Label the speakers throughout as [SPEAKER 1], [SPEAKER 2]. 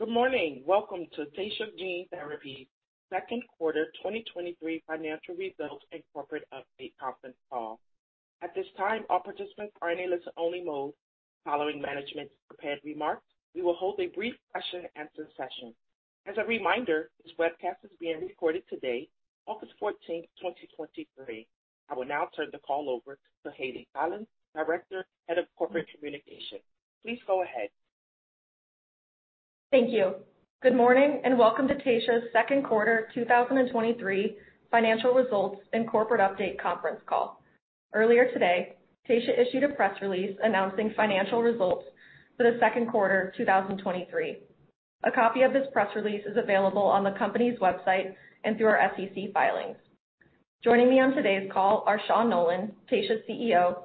[SPEAKER 1] Good morning. Welcome to Taysha Gene Therapies's Second Quarter 2023 Financial Results and Corporate Update Conference Call. At this time, all participants are in a listen-only mode. Following management's prepared remarks, we will hold a brief question-and-answer session. As a reminder, this webcast is being recorded today, August 14th, 2023. I will now turn the call over to Hayleigh Collins, Director, Head of Corporate Communications. Please go ahead.
[SPEAKER 2] Thank you. Good morning, welcome to Taysha's Second Quarter 2023 Financial Results and Corporate Update Conference Call. Earlier today, Taysha issued a press release announcing financial results for the second quarter of 2023. A copy of this press release is available on the company's website and through our SEC filings. Joining me on today's call are Sean Nolan, Taysha's CEO,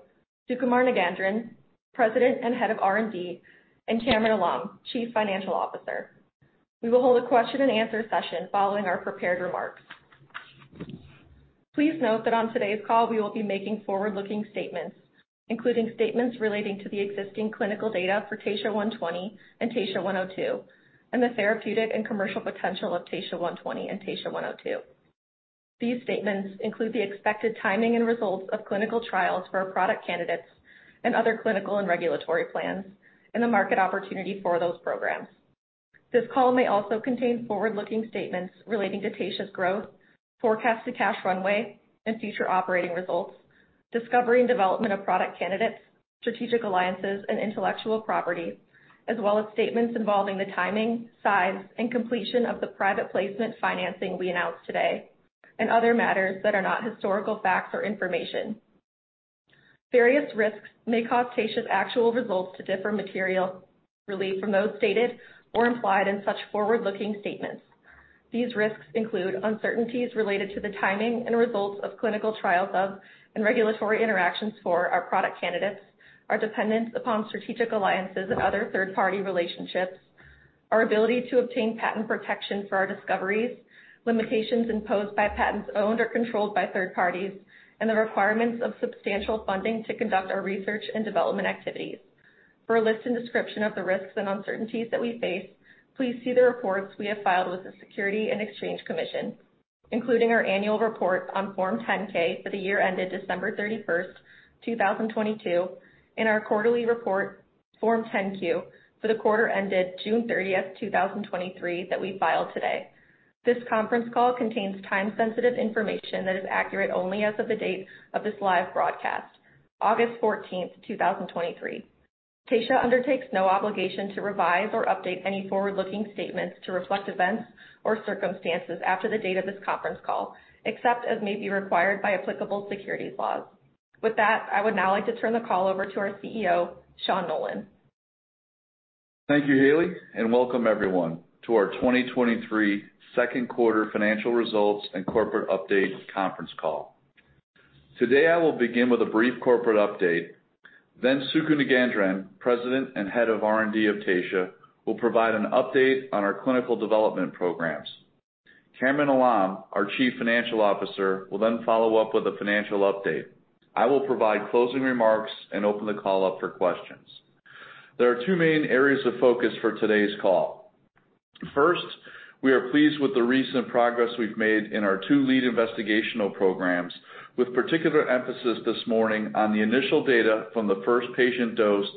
[SPEAKER 2] Sukumar Nagendran, President and Head of R&D, and Kamran Alam, Chief Financial Officer. We will hold a question-and-answer session following our prepared remarks. Please note that on today's call, we will be making forward-looking statements, including statements relating to the existing clinical data for TSHA-120 and TSHA-102, and the therapeutic and commercial potential of TSHA-120 and TSHA-102. These statements include the expected timing and results of clinical trials for our product candidates and other clinical and regulatory plans, and the market opportunity for those programs. This call may also contain forward-looking statements relating to Taysha's growth, forecasted cash runway, and future operating results, discovery and development of product candidates, strategic alliances, and intellectual property, as well as statements involving the timing, size, and completion of the Private Placement Financing we announced today, and other matters that are not historical facts or information. Various risks may cause Taysha's actual results to differ materially from those stated or implied in such forward-looking statements. These risks include uncertainties related to the timing and results of clinical trials of, and regulatory interactions for our product candidates, our dependence upon strategic alliances and other third-party relationships, our ability to obtain patent protection for our discoveries, limitations imposed by patents owned or controlled by third parties, and the requirements of substantial funding to conduct our research and development activities. For a list and description of the risks and uncertainties that we face, please see the reports we have filed with the Securities and Exchange Commission, including our annual report on Form 10-K for the year ended December 31st, 2022, and our quarterly report, Form 10-Q, for the quarter ended June 30th, 2023, that we filed today. This conference call contains time-sensitive information that is accurate only as of the date of this live broadcast, August 14th, 2023. Taysha undertakes no obligation to revise or update any forward-looking statements to reflect events or circumstances after the date of this conference call, except as may be required by applicable securities laws. With that, I would now like to turn the call over to our CEO, Sean Nolan.
[SPEAKER 3] Thank you, Hayley, and welcome everyone, to our 2023 second quarter financial results and corporate update conference call. Today, I will begin with a brief corporate update. Suku Nagendran, President and Head of R&D of Taysha, will provide an update on our clinical development programs. Kamran Alam, our Chief Financial Officer, will then follow up with a financial update. I will provide closing remarks and open the call up for questions. There are two main areas of focus for today's call. First, we are pleased with the recent progress we've made in our two lead investigational programs, with particular emphasis this morning on the initial data from the first patient dosed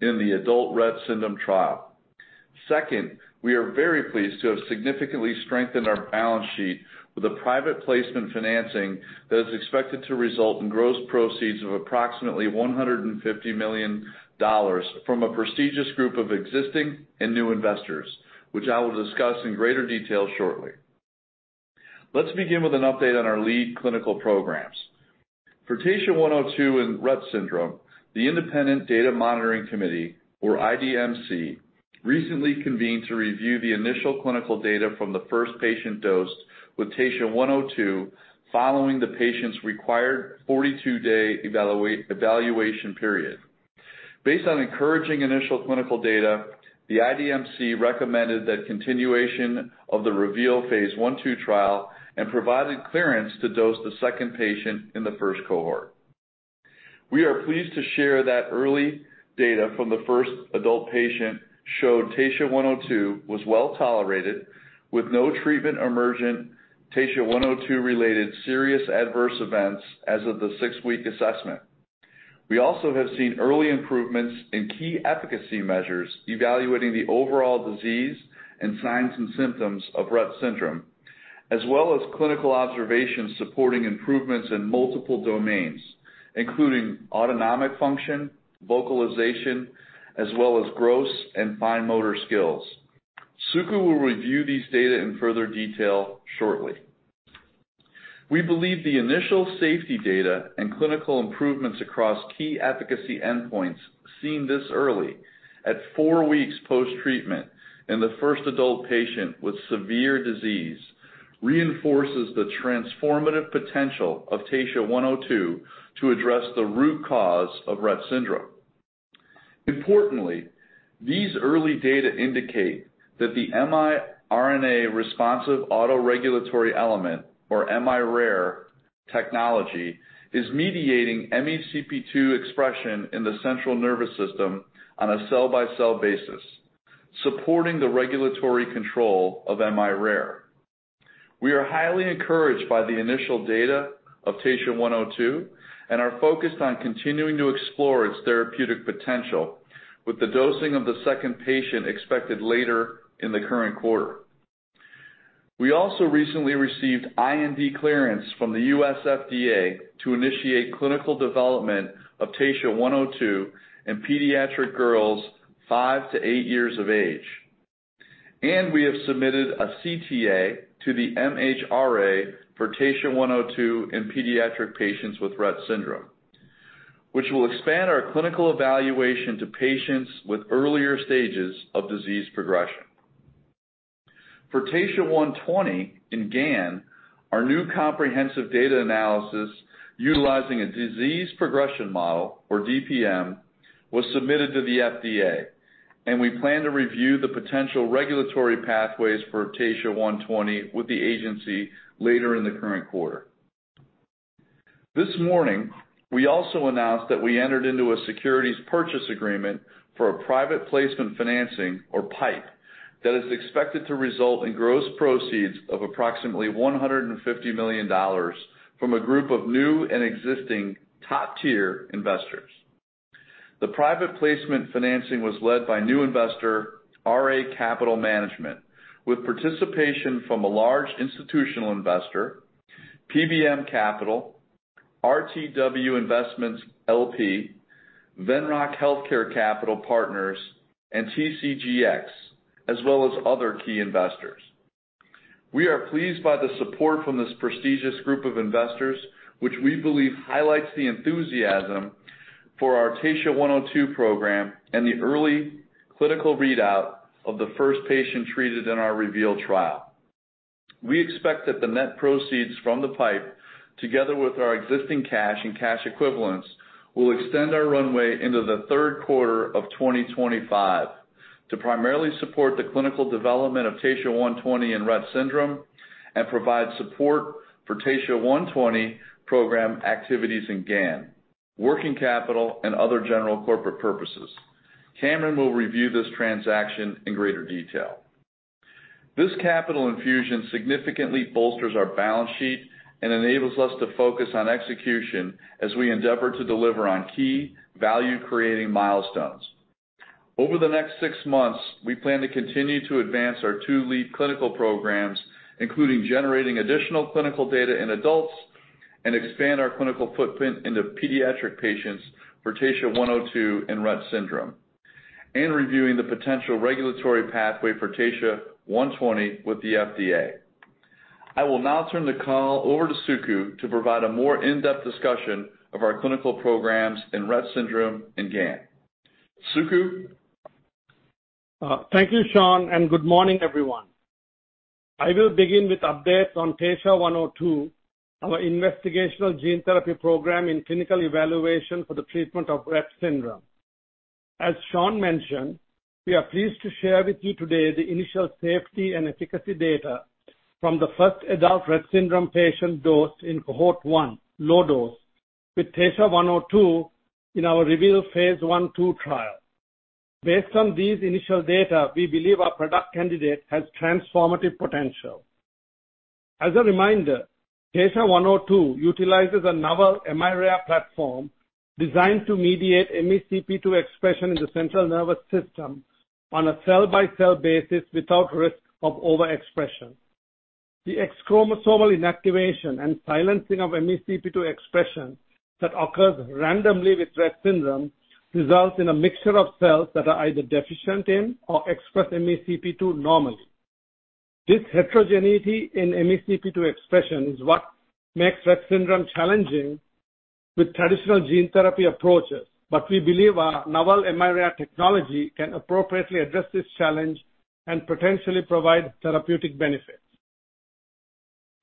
[SPEAKER 3] in the adult Rett syndrome trial. Second, we are very pleased to have significantly strengthened our balance sheet with a Private Placement Financing that is expected to result in gross proceeds of approximately $150 million from a prestigious group of existing and new investors, which I will discuss in greater detail shortly. Let's begin with an update on our lead clinical programs. For TSHA-102 in Rett syndrome, the Independent Data Monitoring Committee, or IDMC, recently convened to review the initial clinical data from the first patient dosed with TSHA-102, following the patient's required 42-day evaluation period. Based on encouraging initial clinical data, the IDMC recommended that continuation of the REVEAL Phase 1/2 trial and provided clearance to dose the second patient in the first cohort. We are pleased to share that early data from the first adult patient showed TSHA-102 was well tolerated, with no treatment-emergent TSHA-102 related serious adverse events as of the six-week assessment. We also have seen early improvements in key efficacy measures evaluating the overall disease and signs and symptoms of Rett syndrome, as well as clinical observations supporting improvements in multiple domains, including autonomic function, vocalization, as well as gross and fine motor skills. Suku will review these data in further detail shortly. We believe the initial safety data and clinical improvements across key efficacy endpoints seen this early, at four weeks post-treatment in the first adult patient with severe disease, reinforces the transformative potential of TSHA-102 to address the root cause of Rett syndrome. Importantly, these early data indicate that the miRNA-Responsive Auto-Regulatory Element, or miRARE technology is mediating MECP2 expression in the central nervous system on a cell-by-cell basis, supporting the regulatory control of miRARE. We are highly encouraged by the initial data of TSHA-102 and are focused on continuing to explore its therapeutic potential, with the dosing of the second patient expected later in the current quarter. We also recently received IND clearance from the U.S. FDA to initiate clinical development of TSHA-102 in pediatric girls five to eight years of age. We have submitted a CTA to the MHRA for TSHA-102 in pediatric patients with Rett syndrome, which will expand our clinical evaluation to patients with earlier stages of disease progression. For TSHA-120 in GAN, our new comprehensive data analysis utilizing a disease progression model, or DPM, was submitted to the FDA, and we plan to review the potential regulatory pathways for TSHA-120 with the agency later in the current quarter. This morning, we also announced that we entered into a securities purchase agreement for a Private Placement Financing, or PIPE, that is expected to result in gross proceeds of approximately $150 million from a group of new and existing top-tier investors. The Private Placement Financing was led by new investor RA Capital Management, with participation from a large institutional investor, PBM Capital, RTW Investments, LP, Venrock Healthcare Capital Partners, and TCGX, as well as other key investors. We are pleased by the support from this prestigious group of investors, which we believe highlights the enthusiasm for our TSHA-102 program and the early clinical readout of the first patient treated in our REVEAL trial. We expect that the net proceeds from the PIPE, together with our existing cash and cash equivalents, will extend our runway into the third quarter of 2025 to primarily support the clinical development of TSHA-120 in Rett syndrome and provide support for TSHA-120 program activities in GAN, working capital, and other general corporate purposes. Kamran will review this transaction in greater detail. This capital infusion significantly bolsters our balance sheet and enables us to focus on execution as we endeavor to deliver on key value-creating milestones. Over the next six months, we plan to continue to advance our two lead clinical programs, including generating additional clinical data in adults, and expand our clinical footprint into pediatric patients for TSHA-102 and Rett syndrome, and reviewing the potential regulatory pathway for TSHA-120 with the FDA. I will now turn the call over to Suku to provide a more in-depth discussion of our clinical programs in Rett syndrome and GAN. Suku?
[SPEAKER 4] Thank you, Sean, good morning, everyone. I will begin with updates on TSHA-102, our investigational gene therapy program in clinical evaluation for the treatment of Rett syndrome. As Sean mentioned, we are pleased to share with you today the initial safety and efficacy data from the first adult Rett syndrome patient dosed in cohort one, low dose, with TSHA-102 in our REVEAL Phase 1/2 trial. Based on these initial data, we believe our product candidate has transformative potential. As a reminder, TSHA-102 utilizes a novel miRARE platform designed to mediate MECP2 expression in the central nervous system on a cell-by-cell basis without risk of overexpression. The X-chromosome inactivation and silencing of MECP2 expression that occurs randomly with Rett syndrome results in a mixture of cells that are either deficient in or express MECP2 normally. This heterogeneity in MECP2 expression is what makes Rett syndrome challenging with traditional gene therapy approaches, but we believe our novel miRARE technology can appropriately address this challenge and potentially provide therapeutic benefits.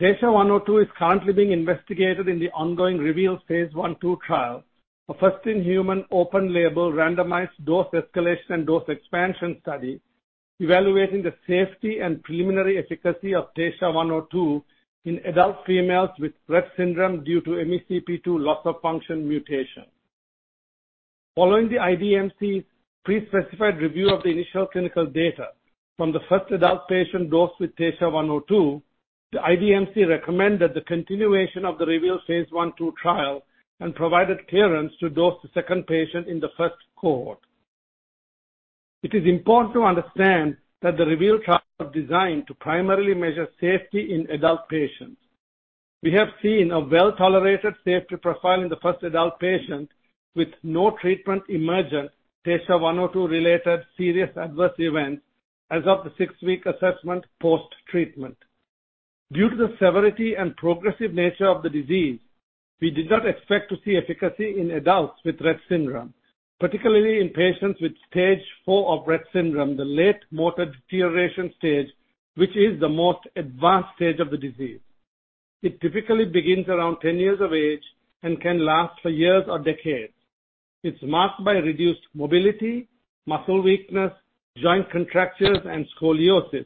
[SPEAKER 4] TSHA-102 is currently being investigated in the ongoing REVEAL Phase 1/2 trial, a first-in-human, open-label, randomized dose escalation and dose expansion study evaluating the safety and preliminary efficacy of TSHA-102 in adult females with Rett syndrome due to MECP2 loss-of-function mutation. Following the IDMC's prespecified review of the initial clinical data from the first adult patient dosed with TSHA-102, the IDMC recommended the continuation of the REVEAL Phase 1/2 trial and provided clearance to dose the second patient in the first cohort. It is important to understand that the REVEAL trial was designed to primarily measure safety in adult patients. We have seen a well-tolerated safety profile in the first adult patient with no treatment-emergent TSHA-102-related serious adverse events as of the six-week assessment post-treatment. Due to the severity and progressive nature of the disease, we did not expect to see efficacy in adults with Rett syndrome, particularly in patients with stage four of Rett syndrome, the late motor deterioration stage, which is the most advanced stage of the disease. It typically begins around 10 years of age and can last for years or decades. It's marked by reduced mobility, muscle weakness, joint contractures, and scoliosis,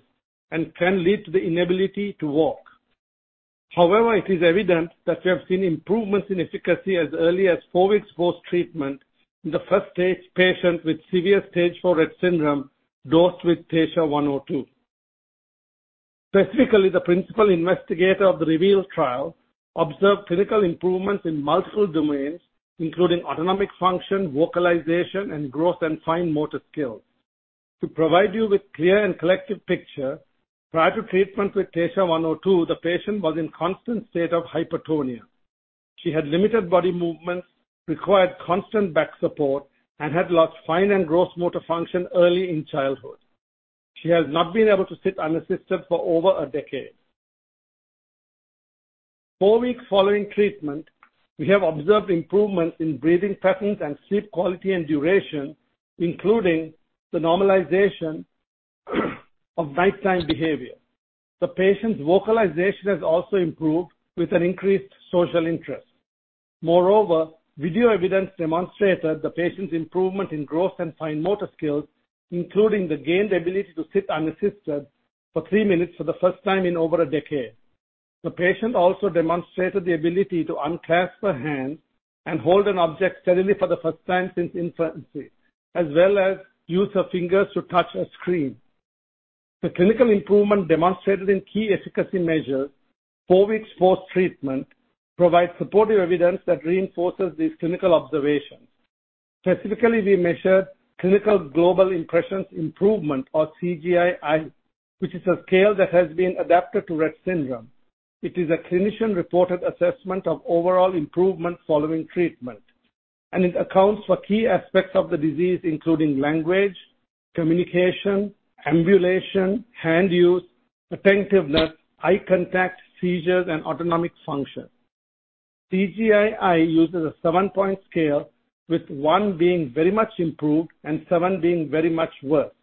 [SPEAKER 4] and can lead to the inability to walk. However, it is evident that we have seen improvements in efficacy as early as four weeks post-treatment in the first-stage patient with severe stage four Rett syndrome, dosed with TSHA-102. Specifically, the principal investigator of the REVEAL trial observed clinical improvements in multiple domains, including autonomic function, vocalization, and growth and fine motor skills. To provide you with clear and collective picture, prior to treatment with TSHA-102, the patient was in constant state of hypertonia. She had limited body movements, required constant back support, and had lost fine and gross motor function early in childhood. She has not been able to sit unassisted for over a decade. 4 weeks following treatment, we have observed improvements in breathing patterns and sleep quality and duration, including the normalization of nighttime behavior. The patient's vocalization has also improved, with an increased social interest. Video evidence demonstrated the patient's improvement in growth and fine motor skills, including the gained ability to sit unassisted for three minutes for the first time in over a decade. The patient also demonstrated the ability to unclench her hand and hold an object steadily for the first time since infancy, as well as use her fingers to touch a screen. The clinical improvement demonstrated in key efficacy measures four weeks post-treatment provides supportive evidence that reinforces these clinical observations. Specifically, we measured Clinical Global Impression-Improvement or CGI-I, which is a scale that has been adapted to Rett syndrome. It is a clinician-reported assessment of overall improvement following treatment, and it accounts for key aspects of the disease, including language, communication, ambulation, hand use, attentiveness, eye contact, seizures, and autonomic function. CGI-I uses a 7-point scale, with 1 being very much improved and 7 being very much worse.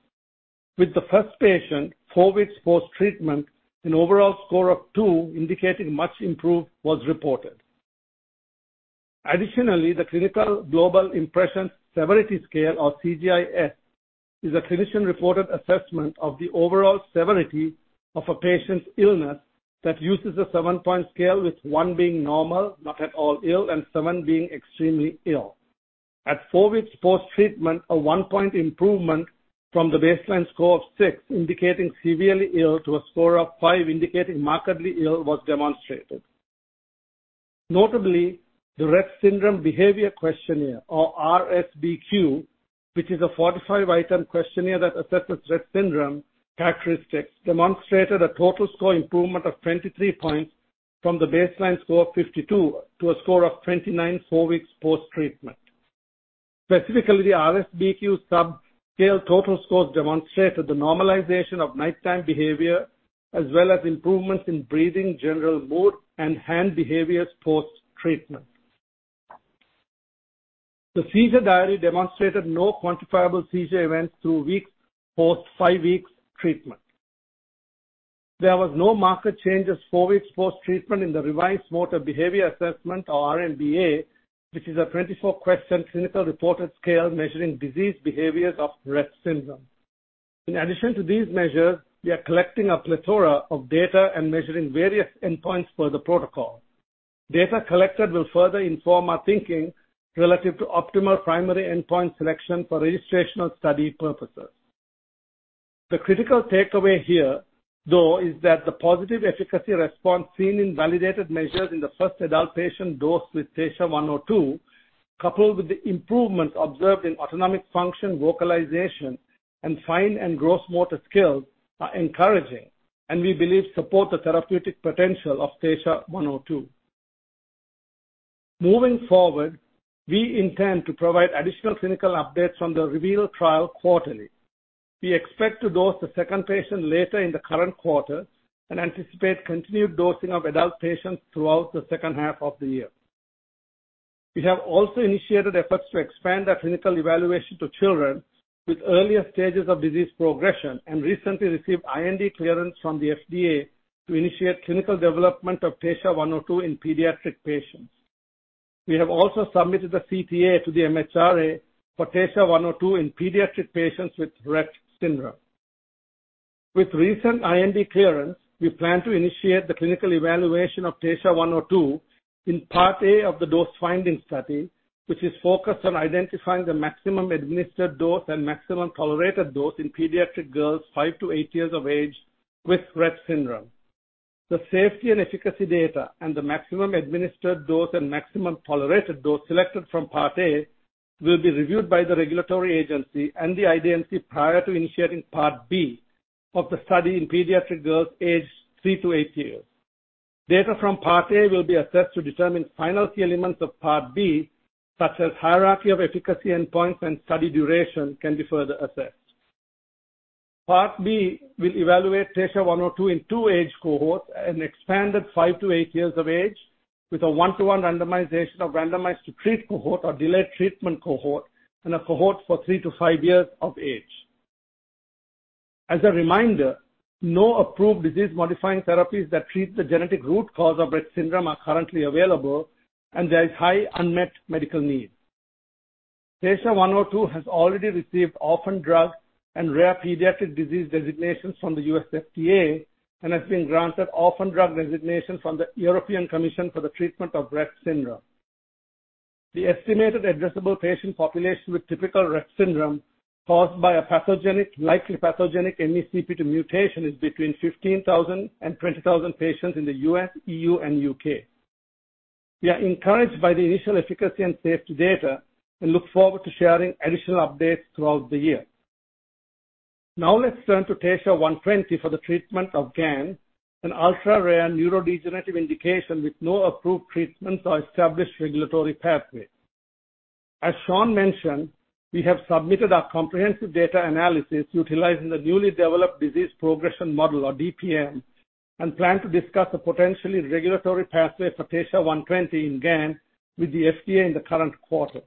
[SPEAKER 4] With the first patient, four weeks post-treatment, an overall score of 2, indicating much improved, was reported. Additionally, the Clinical Global Impressions-Severity scale, or CGI-S, is a clinician-reported assessment of the overall severity of a patient's illness that uses a 7-point scale, with 1 being normal, not at all ill, and 7 being extremely ill. At four weeks post-treatment, a 1-point improvement from the baseline score of 6, indicating severely ill, to a score of 5, indicating markedly ill, was demonstrated. Notably, the Rett Syndrome Behaviour Questionnaire, or RSBQ, which is a 45-item questionnaire that assesses Rett syndrome characteristics, demonstrated a total score improvement of 23 points from the baseline score of 52 to a score of 29, four weeks post-treatment. Specifically, RSBQ subscale total scores demonstrated the normalization of nighttime behavior, as well as improvements in breathing, general mood, and hand behaviors post-treatment. The Seizure Diary demonstrated no quantifiable seizure events through weeks post five weeks treatment. There was no marked change at four weeks post-treatment in the Revised Motor Behavioral Assessment, or RMBA, which is a 24-question clinical reported scale measuring disease behaviors of Rett syndrome. In addition to these measures, we are collecting a plethora of data and measuring various endpoints per the protocol. Data collected will further inform our thinking relative to optimal primary endpoint selection for registrational study purposes. The critical takeaway here, though, is that the positive efficacy response seen in validated measures in the first adult patient dosed with TSHA-102, coupled with the improvements observed in autonomic function, vocalization, and fine and gross motor skills, are encouraging and we believe support the therapeutic potential of TSHA-102. Moving forward, we intend to provide additional clinical updates from the REVEAL trial quarterly. We expect to dose the second patient later in the current quarter and anticipate continued dosing of adult patients throughout the second half of the year. We have also initiated efforts to expand our clinical evaluation to children with earlier stages of disease progression. Recently received IND clearance from the FDA to initiate clinical development of TSHA-102 in pediatric patients. We have also submitted a CTA to the MHRA for TSHA-102 in pediatric patients with Rett syndrome. With recent IND clearance, we plan to initiate the clinical evaluation of TSHA-102 in part A of the dose-finding study, which is focused on identifying the maximum administered dose and maximum tolerated dose in pediatric girls five-eight years of age with Rett syndrome. The safety and efficacy data and the maximum administered dose and maximum tolerated dose selected from part A will be reviewed by the regulatory agency and the IDMC prior to initiating part B of the study in pediatric girls aged three-eight years. Data from part A will be assessed to determine final elements of part B, such as hierarchy of efficacy and points, and study duration can be further assessed. Part B will evaluate TSHA-102 in two age cohorts, an expanded five-eight years of age, with a one-to-one randomization of randomized to treat cohort or delayed treatment cohort, and a cohort for three-five years of age. As a reminder, no approved disease-modifying therapies that treat the genetic root cause of Rett syndrome are currently available, and there is high unmet medical need. TSHA-102 has already received Orphan Drug and Rare Pediatric Disease designation from the U.S. FDA and has been granted Orphan Drug designation from the European Commission for the treatment of Rett syndrome. The estimated addressable patient population with typical Rett syndrome, caused by a pathogenic, likely pathogenic MECP2 mutation, is between 15,000 and 20,000 patients in the U.S., E.U., and U.K. We are encouraged by the initial efficacy and safety data and look forward to sharing additional updates throughout the year. Now let's turn to TSHA-120 for the treatment of GAN, an ultra-rare neurodegenerative indication with no approved treatments or established regulatory pathway. As Sean mentioned, we have submitted our comprehensive data analysis utilizing the newly developed disease progression model, or DPM, and plan to discuss a potentially regulatory pathway for TSHA-120 in GAN with the FDA in the current quarter.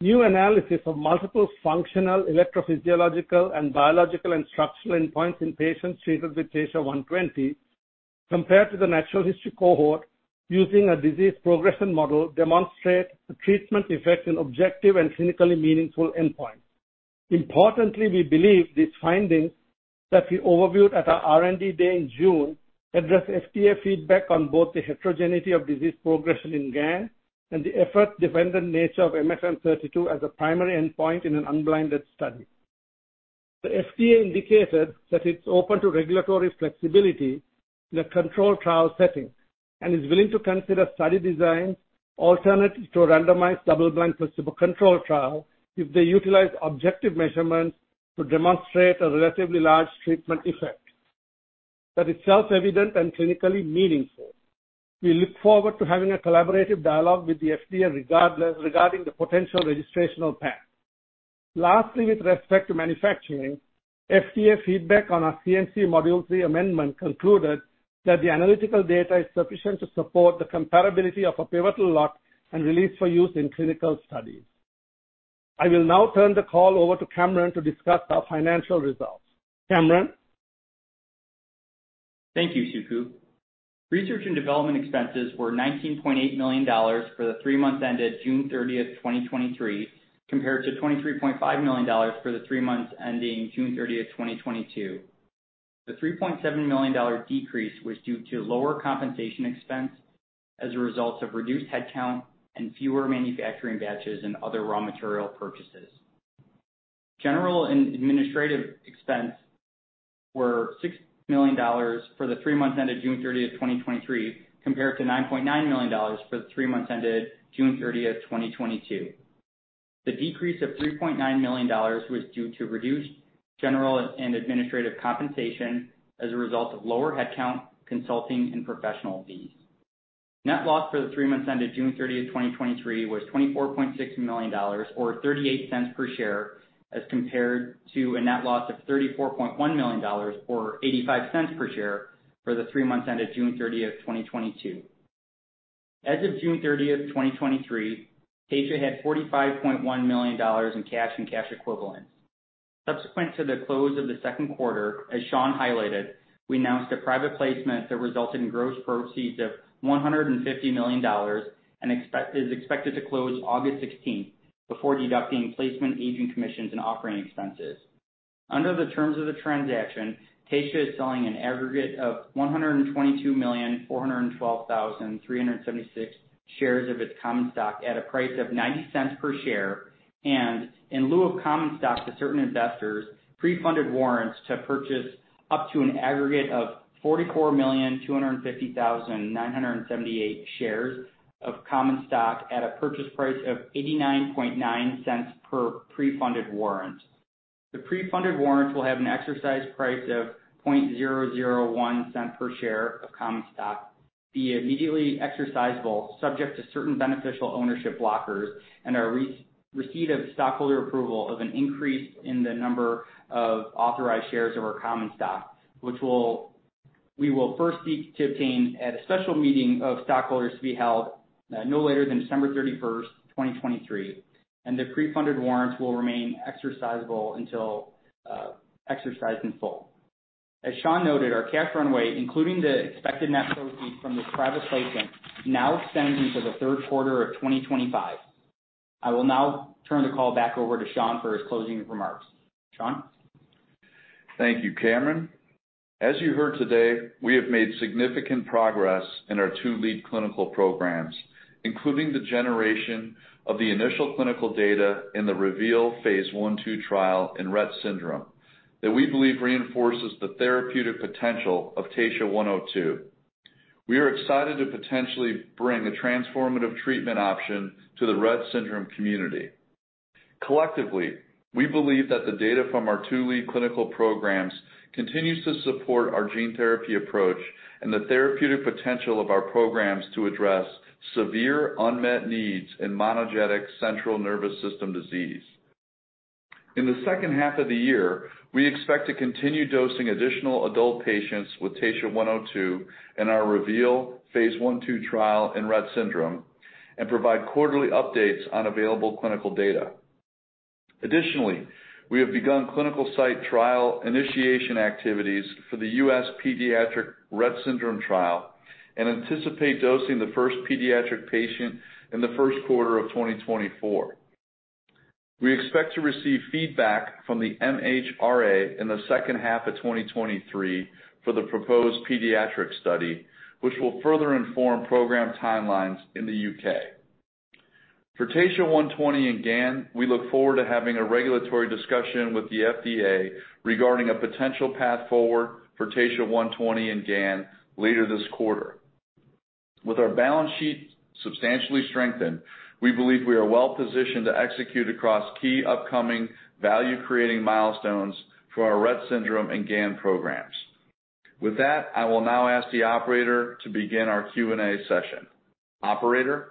[SPEAKER 4] New analysis of multiple functional, electrophysiological, and biological and structural endpoints in patients treated with TSHA-120, compared to the natural history cohort using a disease progression model, demonstrate a treatment effect in objective and clinically meaningful endpoint. Importantly, we believe these findings that we overviewed at our R&D day in June, address FDA feedback on both the heterogeneity of disease progression in GAN and the effort-dependent nature of MFM-32 as a primary endpoint in an unblinded study. The FDA indicated that it's open to regulatory flexibility in a controlled trial setting and is willing to consider study designs alternative to randomized, double-blind, placebo-controlled trial, if they utilize objective measurements to demonstrate a relatively large treatment effect that is self-evident and clinically meaningful. We look forward to having a collaborative dialogue with the FDA regardless, regarding the potential registrational path. Lastly, with respect to manufacturing, FDA feedback on our CMC Module 3 amendment concluded that the analytical data is sufficient to support the comparability of a pivotal lot and release for use in clinical studies. I will now turn the call over to Kamran to discuss our financial results. Kamran?
[SPEAKER 5] Thank you, Suku. Research and development expenses were $19.8 million for the three months ended June 30, 2023, compared to $23.5 million for the three months ending June 30, 2022. The $3.7 million decrease was due to lower compensation expense as a result of reduced headcount and fewer manufacturing batches and other raw material purchases. General and administrative expense were $6 million for the three months ended June 30, 2023, compared to $9.9 million for the three months ended June 30, 2022. The decrease of $3.9 million was due to reduced general and administrative compensation as a result of lower headcount, consulting, and professional fees. Net loss for the three months ended June 30, 2023, was $24.6 million, or $0.38 per share, as compared to a net loss of $34.1 million, or $0.85 per share, for the three months ended June 30, 2022. As of June 30, 2023, Taysha had $45.1 million in cash and cash equivalents. Subsequent to the close of the second quarter, as Sean highlighted, we announced a private placement that resulted in gross proceeds of $150 million and is expected to close August 16, before deducting placement, agent commissions, and operating expenses. Under the terms of the transaction, Taysha is selling an aggregate of 122,412,376 shares of its common stock at a price of $0.90 per share, and in lieu of common stock to certain investors, pre-funded warrants to purchase up to an aggregate of 44,250,978 shares of common stock at a purchase price of $0.899 per pre-funded warrant. The pre-funded warrant will have an exercise price of $0.001 per share of common stock, be immediately exercisable, subject to certain beneficial ownership blockers, and are re-receipt of stockholder approval of an increase in the number of authorized shares of our common stock. Which we will first seek to obtain at a special meeting of stockholders to be held, no later than December 31, 2023, and the pre-funded warrants will remain exercisable until exercised in full. As Sean noted, our cash runway, including the expected net proceeds from this private placement, now extends into the third quarter of 2025. I will now turn the call back over to Sean for his closing remarks. Sean?
[SPEAKER 3] Thank you, Kamran. As you heard today, we have made significant progress in our two lead clinical programs, including the generation of the initial clinical data in the REVEAL Phase 1/2 trial in Rett syndrome, that we believe reinforces the therapeutic potential of TSHA-102. We are excited to potentially bring a transformative treatment option to the Rett syndrome community. Collectively, we believe that the data from our two lead clinical programs continues to support our gene therapy approach and the therapeutic potential of our programs to address severe unmet needs in monogenic central nervous system disease. In the second half of the year, we expect to continue dosing additional adult patients with TSHA-102 in our REVEAL Phase 1/2 trial in Rett syndrome and provide quarterly updates on available clinical data. Additionally, we have begun clinical site trial initiation activities for the U.S. pediatric Rett syndrome trial and anticipate dosing the first pediatric patient in the first quarter of 2024. We expect to receive feedback from the MHRA in the second half of 2023 for the proposed pediatric study, which will further inform program timelines in the U.K. For TSHA-120 and GAN, we look forward to having a regulatory discussion with the FDA regarding a potential path forward for TSHA-120 and GAN later this quarter. With our balance sheet substantially strengthened, we believe we are well positioned to execute across key upcoming value-creating milestones for our Rett syndrome and GAN programs. With that, I will now ask the operator to begin our Q&A session. Operator?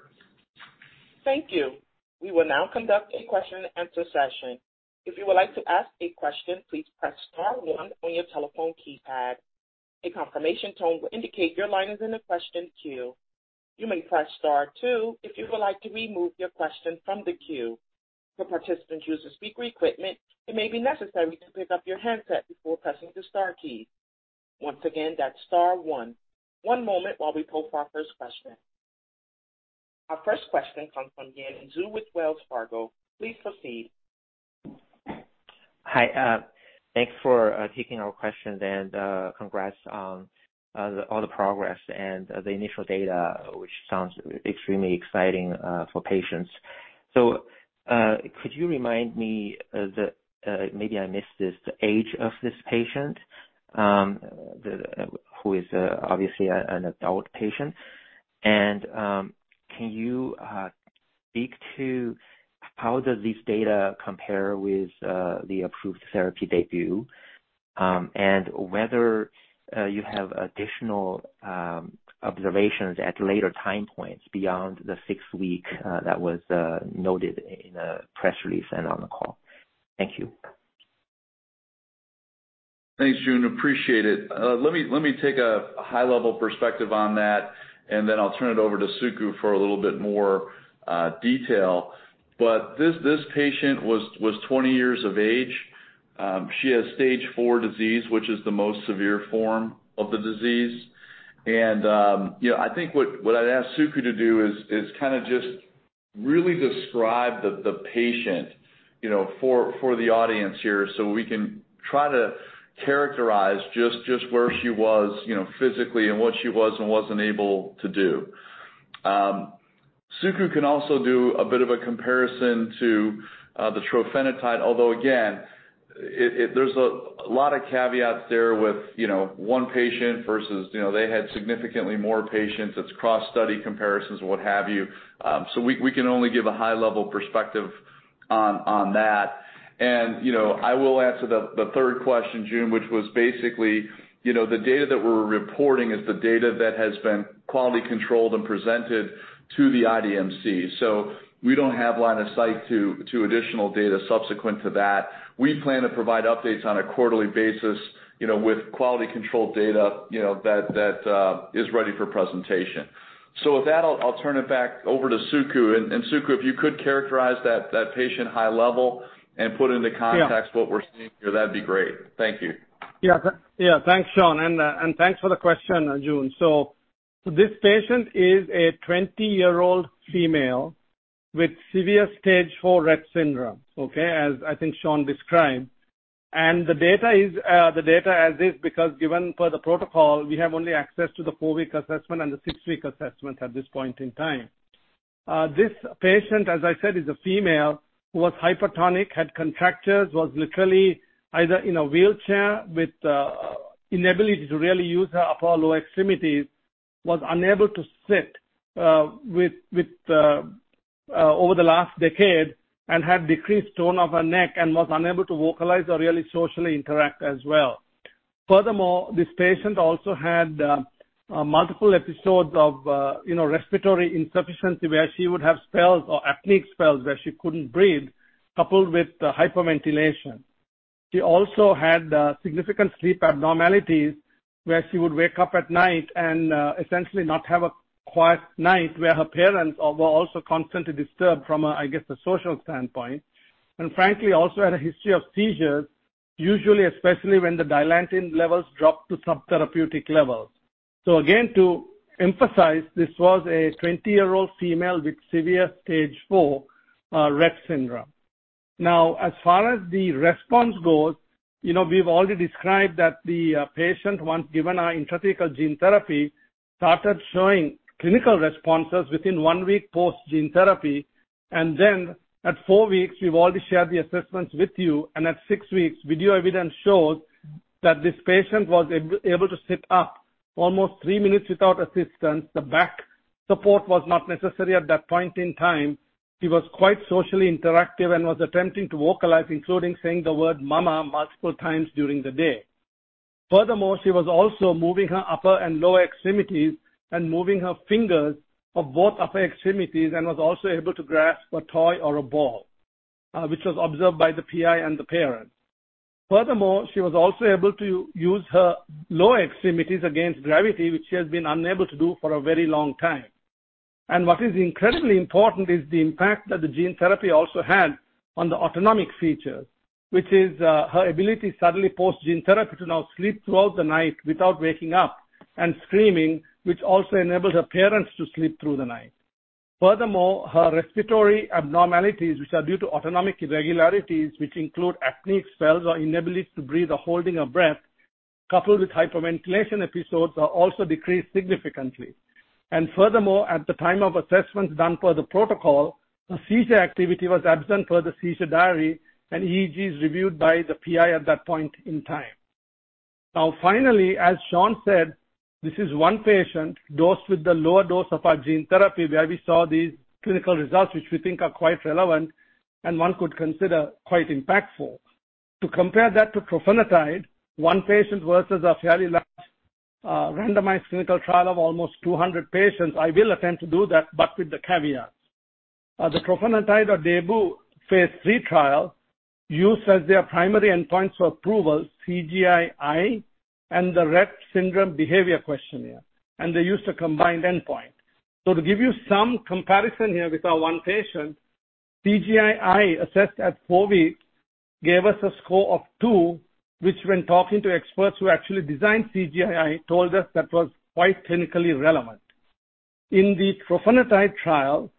[SPEAKER 1] Thank you. We will now conduct a question and answer session. If you would like to ask a question, please press star one on your telephone keypad. A confirmation tone will indicate your line is in the question queue. You may press star two if you would like to remove your question from the queue. For participants using speaker equipment, it may be necessary to pick up your handset before pressing the star key. Once again, that's star one. One moment while we pull our first question. Our first question comes from Xuejun Zhu with Wells Fargo. Please proceed.
[SPEAKER 6] Hi, thanks for taking our questions, and congrats on the, all the progress and the initial data, which sounds extremely exciting, for patients. Could you remind me, the, maybe I missed this, the age of this patient, the, who is, obviously an adult patient? Can you speak to how does this data compare with the approved therapy DAYBUE, and whether you have additional observations at later time points beyond the sixth week, that was noted in the press release and on the call? Thank you.
[SPEAKER 3] Thanks, Jun, appreciate it. Let me, let me take a high-level perspective on that, and then I'll turn it over to Suku for a little bit more detail. This, this patient was, was 20 years of age. She has stage four disease, which is the most severe form of the disease. You know, I think what, what I'd ask Suku to do is, is kinda just really describe the, the patient, you know, for, for the audience here so we can try to characterize just, just where she was, you know, physically and what she was and wasn't able to do. Suku can also do a bit of a comparison to the trofinetide, although, again, it, it, there's a lot of caveats there with, you know, one patient versus, you know, they had significantly more patients. It's cross study comparisons, what have you. We can only give a high level perspective on that. You know, I will answer the third question, Jun, which was basically, you know, the data that we're reporting is the data that has been quality controlled and presented to the IDMC. We don't have line of sight to additional data subsequent to that. We plan to provide updates on a quarterly basis, you know, with quality control data, you know, that is ready for presentation. With that, I'll turn it back over to Suku. Suku, if you could characterize that patient high level and put into context.
[SPEAKER 4] Yeah.
[SPEAKER 3] What we're seeing here, that'd be great. Thank you.
[SPEAKER 4] Yeah, yeah, thanks, Sean, and, and thanks for the question, Jun. So this patient is a 20-year-old female with severe Stage 4 Rett syndrome, okay. As I think Sean described. The data is, the data as is because given per the protocol, we have only access to the four-week assessment and the six-week assessment at this point in time. This patient, as I said, is a female, who was hypertonic, had contractures, was literally either in a wheelchair with, inability to really use her upper/lower extremities, was unable to sit, with, with, over the last decade and had decreased tone of her neck and was unable to vocalize or really socially interact as well. Furthermore, this patient also had, multiple episodes of, you know, respiratory insufficiency, where she would have spells or apneic spells where she couldn't breathe, coupled with hyperventilation. She also had significant sleep abnormalities, where she would wake up at night and essentially not have a quiet night, where her parents were also constantly disturbed from a, I guess, a social standpoint. Frankly, also had a history of seizures, usually, especially when the Dilantin levels dropped to subtherapeutic levels. Again, to emphasize, this was a 20-year-old female with severe Stage 4 Rett syndrome. Now, as far as the response goes, you know, we've already described that the patient, once given our intrathecal gene therapy, started showing clinical responses within one week post gene therapy. Then at four weeks, we've already shared the assessments with you, and at six weeks, video evidence shows that this patient was able to sit up almost minutes without assistance. The back support was not necessary at that point in time. She was quite socially interactive and was attempting to vocalize, including saying the word mama multiple times during the day. Furthermore, she was also moving her upper and lower extremities and moving her fingers of both upper extremities and was also able to grasp a toy or a ball, which was observed by the PI and the parents. Furthermore, she was also able to use her lower extremities against gravity, which she has been unable to do for a very long time. What is incredibly important is the impact that the gene therapy also had on the autonomic features, which is her ability suddenly post-gene therapy to now sleep throughout the night without waking up and screaming, which also enabled her parents to sleep through the night. Furthermore, her respiratory abnormalities, which are due to autonomic irregularities, which include apneic spells or inability to breathe or holding her breath, coupled with hyperventilation episodes, are also decreased significantly. Furthermore, at the time of assessments done per the protocol, the seizure activity was absent per the Seizure Diary and EEGs reviewed by the PI at that point in time. Finally, as Sean said, this is one patient dosed with the lower dose of our gene therapy, where we saw these clinical results, which we think are quite relevant and one could consider quite impactful. To compare that to trofinetide, one patient versus a very large randomized clinical trial of almost 200 patients, I will attempt to do that, but with the caveat. The trofinetide or DAYBUE Phase 3 trial used as their primary endpoints for approval, CGI-I and the Rett Syndrome Behavior Questionnaire, and they used a combined endpoint. To give you some comparison here with our one patient, CGI-I, assessed at four weeks, gave us a score of two, which, when talking to experts who actually designed CGI-I, told us that was quite clinically relevant. In the trofinetide trial,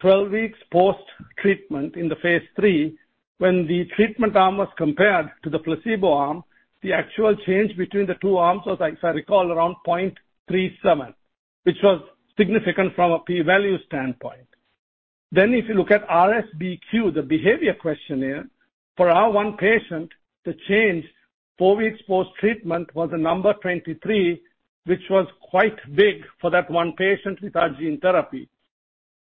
[SPEAKER 4] 12 weeks post-treatment in the Phase 3, when the treatment arm was compared to the placebo arm, the actual change between the two arms was, as I recall, around 0.37, which was significant from a p-value standpoint. If you look at RSBQ, the behavior questionnaire, for our one patient, the change four weeks post-treatment was a number 23, which was quite big for that one patient with our gene therapy.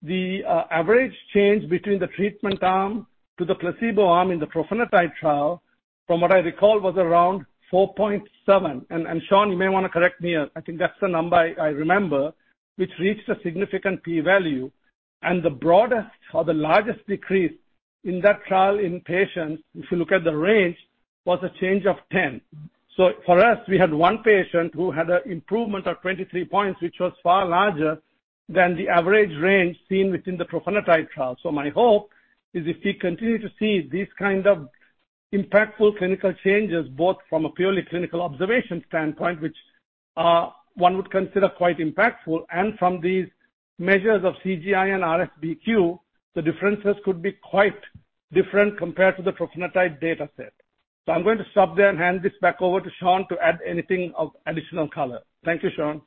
[SPEAKER 4] The average change between the treatment arm to the placebo arm in the trofinetide trial, from what I recall, was around 4.7. Sean, you may want to correct me. I think that's the number I remember, which reached a significant p-value. The broadest or the largest decrease in that trial in patients, if you look at the range, was a change of 10. For us, we had one patient who had an improvement of 23 points, which was far larger than the average range seen within the trofinetide trial. My hope is if we continue to see these kind of impactful clinical changes, both from a purely clinical observation standpoint, which one would consider quite impactful, and from these measures of CGI and RSBQ, the differences could be quite different compared to the trofinetide data set. I'm going to stop there and hand this back over to Sean to add anything of additional color. Thank you, Sean.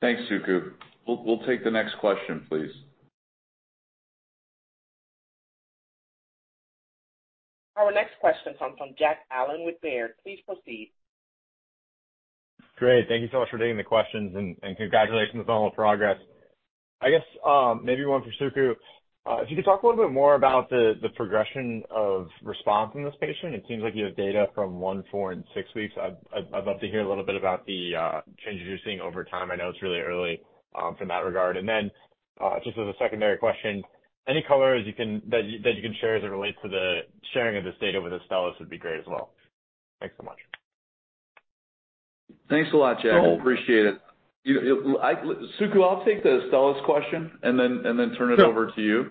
[SPEAKER 3] Thanks, Suku. We'll take the next question, please.
[SPEAKER 1] Our next question comes from Jack Allen with Baird. Please proceed.
[SPEAKER 7] Great. Thank you so much for taking the questions, and congratulations on all the progress. I guess, maybe one for Suku. If you could talk a little bit more about the, the progression of response in this patient. It seems like you have data from one, four, and six weeks. I'd, I'd love to hear a little bit about the changes you're seeing over time. I know it's really early from that regard. Then, just as a secondary question, any color as you can... that you, that you can share as it relates to the sharing of this data with Astellas would be great as well. Thanks so much.
[SPEAKER 3] Thanks a lot, Jack. I appreciate it. You, I, Suku, I'll take the Astellas question and then, and then turn it over to you.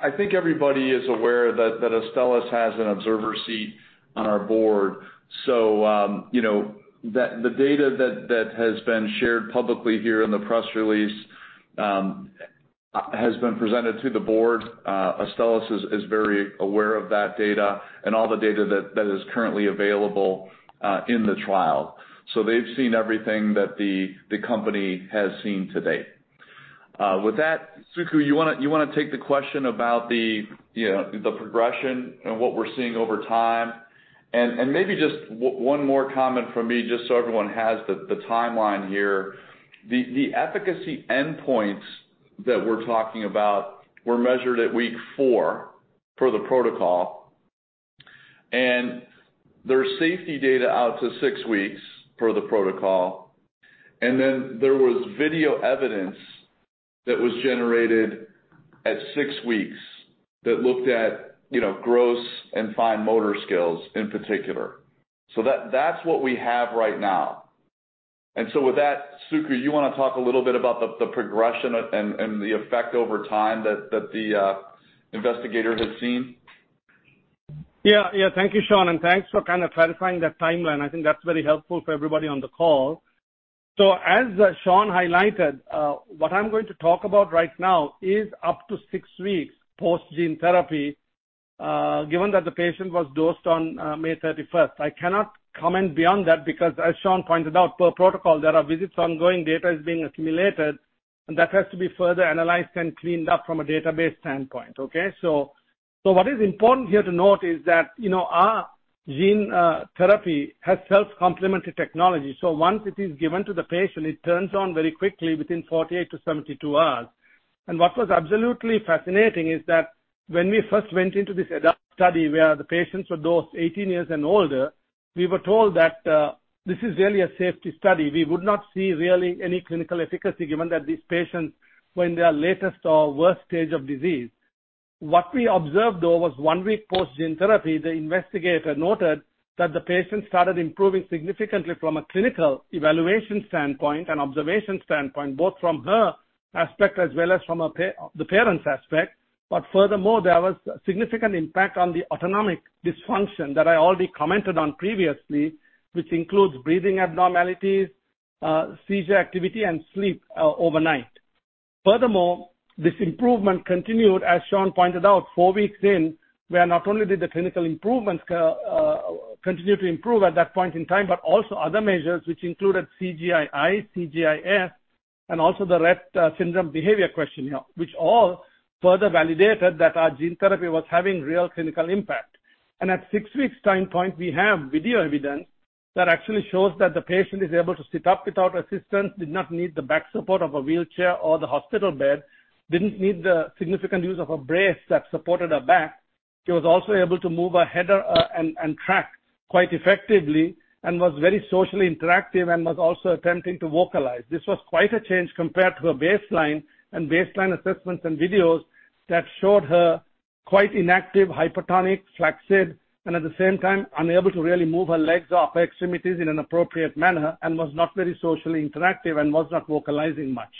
[SPEAKER 3] I think everybody is aware that, that Astellas has an observer seat on our board. You know, that the data that, that has been shared publicly here in the press release has been presented to the board. Astellas is, is very aware of that data and all the data that, that is currently available in the trial. They've seen everything that the, the company has seen to date. With that, Suku, you wanna, you wanna take the question about the, you know, the progression and what we're seeing over time? And maybe just one more comment from me, just so everyone has the, the timeline here. The efficacy endpoints that we're talking about were measured at week four per the protocol. There's safety data out to 6 weeks per the protocol. Then there was video evidence that was generated at six weeks that looked at, you know, gross and fine motor skills in particular. That's what we have right now. With that, Suku, you want to talk a little bit about the progression and the effect over time that the investigator has seen?
[SPEAKER 4] Yeah. Yeah, thank you, Sean, and thanks for kind of clarifying that timeline. I think that's very helpful for everybody on the call. As Sean highlighted, what I'm going to talk about right now is up to six weeks post gene therapy, given that the patient was dosed on May 31st. I cannot comment beyond that because, as Sean pointed out, per protocol, there are visits ongoing, data is being accumulated, and that has to be further analyzed and cleaned up from a database standpoint, okay? What is important here to note is that, you know, our gene therapy has self-complementary technology. Once it is given to the patient, it turns on very quickly within 48-72 hours. What was absolutely fascinating is that when we first went into this adult study, where the patients were dosed 18 years and older, we were told that this is really a safety study. We would not see really any clinical efficacy, given that these patients, were in their latest or worst stage of disease. What we observed, though, was one week post gene therapy, the investigator noted that the patient started improving significantly from a clinical evaluation standpoint and observation standpoint, both from her aspect as well as from the parents' aspect. Furthermore, there was significant impact on the autonomic dysfunction that I already commented on previously, which includes breathing abnormalities, seizure activity, and sleep, overnight. Furthermore, this improvement continued, as Sean pointed out, four weeks in, where not only did the clinical improvements continue to improve at that point in time, but also other measures, which included CGI-I, CGI-S, and also the Rett Syndrome Behaviour Questionnaire, which all further validated that our gene therapy was having real clinical impact. At six weeks time point, we have video evidence that actually shows that the patient is able to sit up without assistance, did not need the back support of a wheelchair or the hospital bed, didn't need the significant use of a brace that supported her back. She was also able to move her head and track quite effectively and was very socially interactive and was also attempting to vocalize. This was quite a change compared to her baseline and baseline assessments and videos that showed her quite inactive, hypertonic, flaccid, and at the same time, unable to really move her legs or her extremities in an appropriate manner and was not very socially interactive and was not vocalizing much.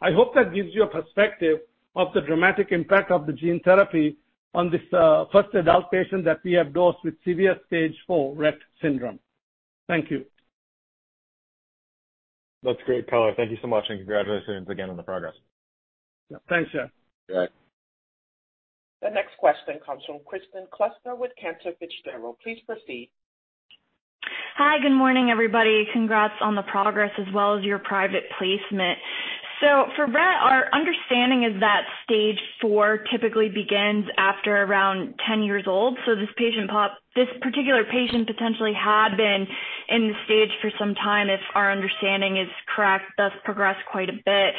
[SPEAKER 4] I hope that gives you a perspective of the dramatic impact of the gene therapy on this, first adult patient that we have dosed with severe stage four Rett syndrome. Thank you.
[SPEAKER 7] That's great, color. Thank you so much, and congratulations again on the progress.
[SPEAKER 4] Thanks, Sean.
[SPEAKER 7] All right.
[SPEAKER 1] The next question comes from Kristen Kluska with Cantor Fitzgerald. Please proceed.
[SPEAKER 8] Hi, good morning, everybody. Congrats on the progress as well as your private placement. For Rett, our understanding is that Stage 4 typically begins after around 10 years old. This particular patient potentially had been in the stage for some time, if our understanding is correct, thus progressed quite a bit.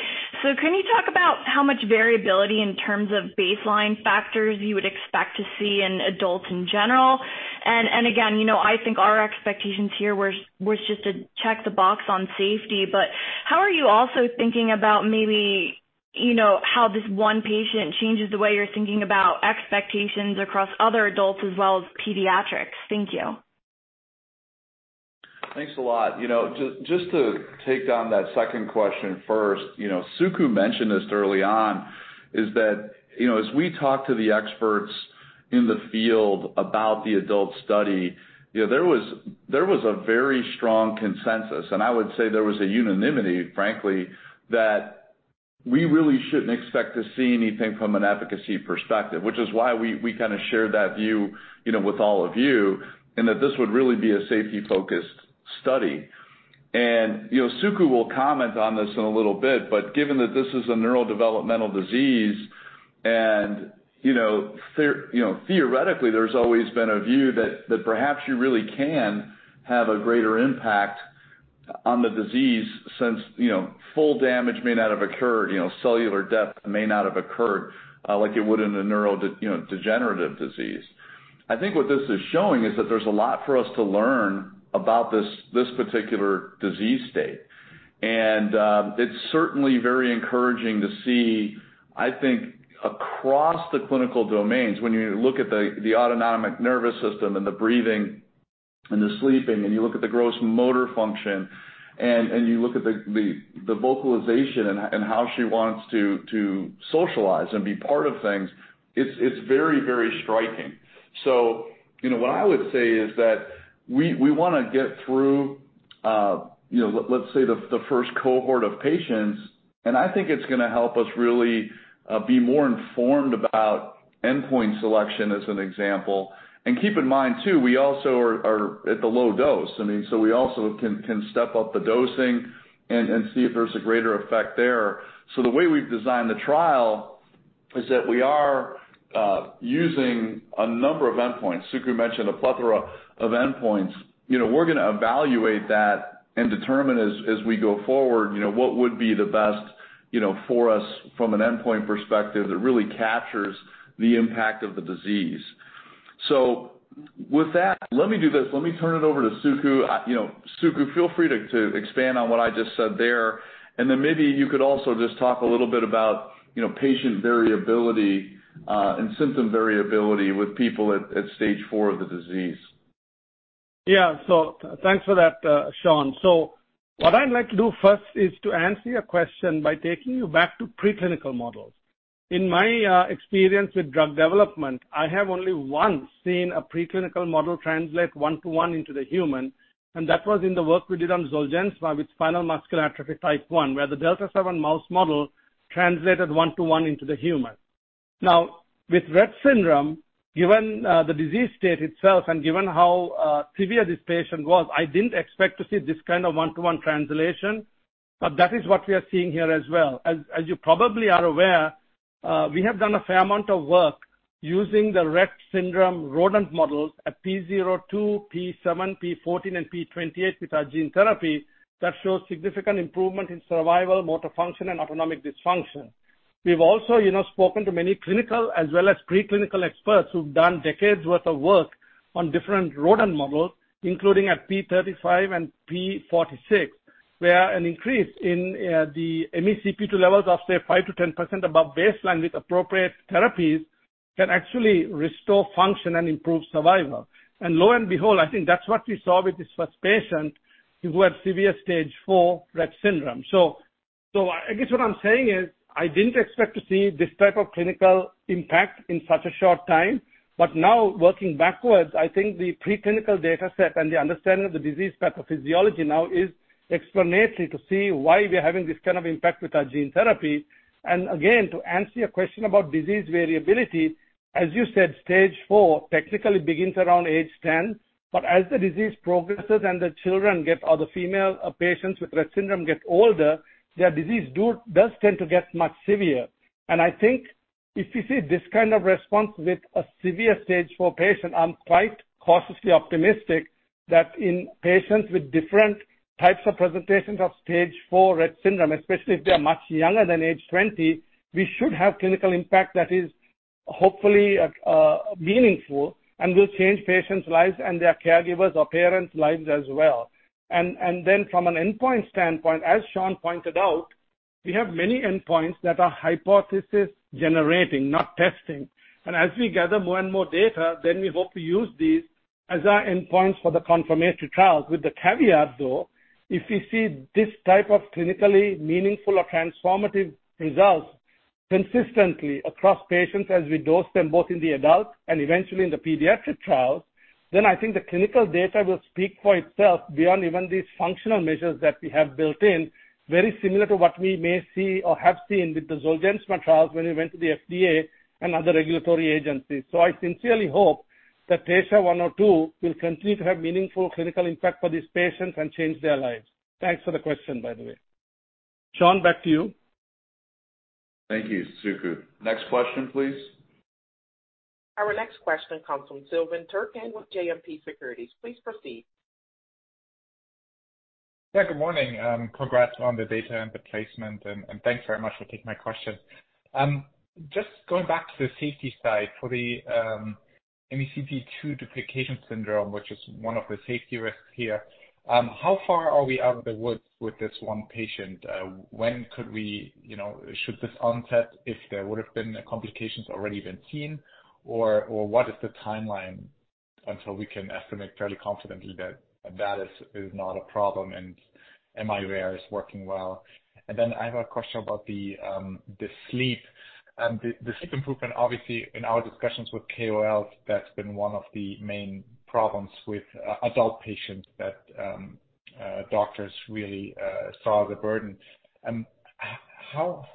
[SPEAKER 8] Can you talk about how much variability in terms of baseline factors you would expect to see in adults in general? Again, you know, I think our expectations here were, was just to check the box on safety. How are you also thinking about maybe, you know, how this one patient changes the way you're thinking about expectations across other adults as well as pediatrics? Thank you.
[SPEAKER 3] Thanks a lot. You know, just, just to take on that second question first, you know, Suku mentioned this early on, is that, you know, as we talk to the experts in the field about the adult study, you know, there was, there was a very strong consensus, and I would say there was a unanimity, frankly, that we really shouldn't expect to see anything from an efficacy perspective, which is why we, we kind of shared that view, you know, with all of you, and that this would really be a safety-focused study. You know, Suku will comment on this in a little bit, but given that this is a neurodevelopmental disease and, you know, you know, theoretically, there's always been a view that, that perhaps you really can have a greater impact on the disease since, you know, full damage may not have occurred, you know, cellular death may not have occurred, like it would in a you know, degenerative disease. I think what this is showing is that there's a lot for us to learn about this, this particular disease state. It's certainly very encouraging to see, I think, across the clinical domains, when you look at the, the autonomic nervous system and the breathing and the sleeping, and you look at the gross motor function, and, and you look at the, the, the vocalization and how she wants to, to socialize and be part of things, it's, it's very, very striking. You know, what I would say is that we, we wanna get through, you know, let's say, the, the first cohort of patients, and I think it's gonna help us really be more informed about endpoint selection, as an example. Keep in mind, too, we also are, are at the low dose. I mean, so we also can, can step up the dosing and, and see if there's a greater effect there. The way we've designed the trial is that we are using a number of endpoints. Suku mentioned a plethora of endpoints. You know, we're gonna evaluate that and determine as, as we go forward, you know, what would be the best, you know, for us from an endpoint perspective that really captures the impact of the disease. With that, let me do this. Let me turn it over to Suku. You know, Suku, feel free to, to expand on what I just said there, and then maybe you could also just talk a little bit about, you know, patient variability, and symptom variability with people at, at Stage 4 of the disease.
[SPEAKER 4] Yeah. Thanks for that, Sean. What I'd like to do first is to answer your question by taking you back to preclinical models. In my experience with drug development, I have only once seen a preclinical model translate one-to-one into the human, and that was in the work we did on Zolgensma, with spinal muscular atrophy type 1, where the delta seven mouse model translated one-to-one into the human. With Rett syndrome, given the disease state itself and given how severe this patient was, I didn't expect to see this kind of one-to-one translation, but that is what we are seeing here as well. As you probably are aware, we have done a fair amount of work using the Rett syndrome rodent models at P02, P7, P14, and P28 with our gene therapy that shows significant improvement in survival, motor function, and autonomic dysfunction. We've also, you know, spoken to many clinical as well as preclinical experts who've done decades worth of work on different rodent models, including at P35 and P46. Where an increase in the MECP2 levels of, say, 5%-10% above baseline with appropriate therapies can actually restore function and improve survival. Lo and behold, I think that's what we saw with this first patient who had severe Stage 4 Rett syndrome. I guess what I'm saying is, I didn't expect to see this type of clinical impact in such a short time. Now, working backwards, I think the preclinical data set and the understanding of the disease pathophysiology now is explanatory to see why we are having this kind of impact with our gene therapy. Again, to answer your question about disease variability, as you said, stage four technically begins around age 10, but as the disease progresses and the children get, or the female patients with Rett syndrome get older, their disease does tend to get much severe. I think if you see this kind of response with a severe stage four patient, I'm quite cautiously optimistic that in patients with different types of presentations of stage four Rett syndrome, especially if they are much younger than age 20, we should have clinical impact that is hopefully meaningful and will change patients' lives and their caregivers or parents' lives as well. From an endpoint standpoint, as Sean pointed out, we have many endpoints that are hypothesis generating, not testing. As we gather more and more data, then we hope to use these as our endpoints for the confirmation trials. With the caveat, though, if we see this type of clinically meaningful or transformative results consistently across patients as we dose them both in the adult and eventually in the pediatric trials, then I think the clinical data will speak for itself beyond even these functional measures that we have built in, very similar to what we may see or have seen with the Zolgensma trials when we went to the FDA and other regulatory agencies. I sincerely hope that TSHA-102 will continue to have meaningful clinical impact for these patients and change their lives. Thanks for the question, by the way. Sean, back to you.
[SPEAKER 3] Thank you, Suku. Next question, please.
[SPEAKER 1] Our next question comes from Silvan Türkcan with JMP Securities. Please proceed.
[SPEAKER 9] Yeah, good morning. Congrats on the data and the placement, and thanks very much for taking my question. Just going back to the safety side for the MECP2 duplication syndrome, which is one of the safety risks here, how far are we out of the woods with this one patient? When could we, you know, should this onset, if there would have been complications, already been seen, or what is the timeline until we can estimate fairly confidently that that is not a problem and miRARE is working well? Then I have a question about the sleep. The sleep improvement, obviously, in our discussions with KOL, that's been one of the main problems with adult patients that doctors really saw the burden. How,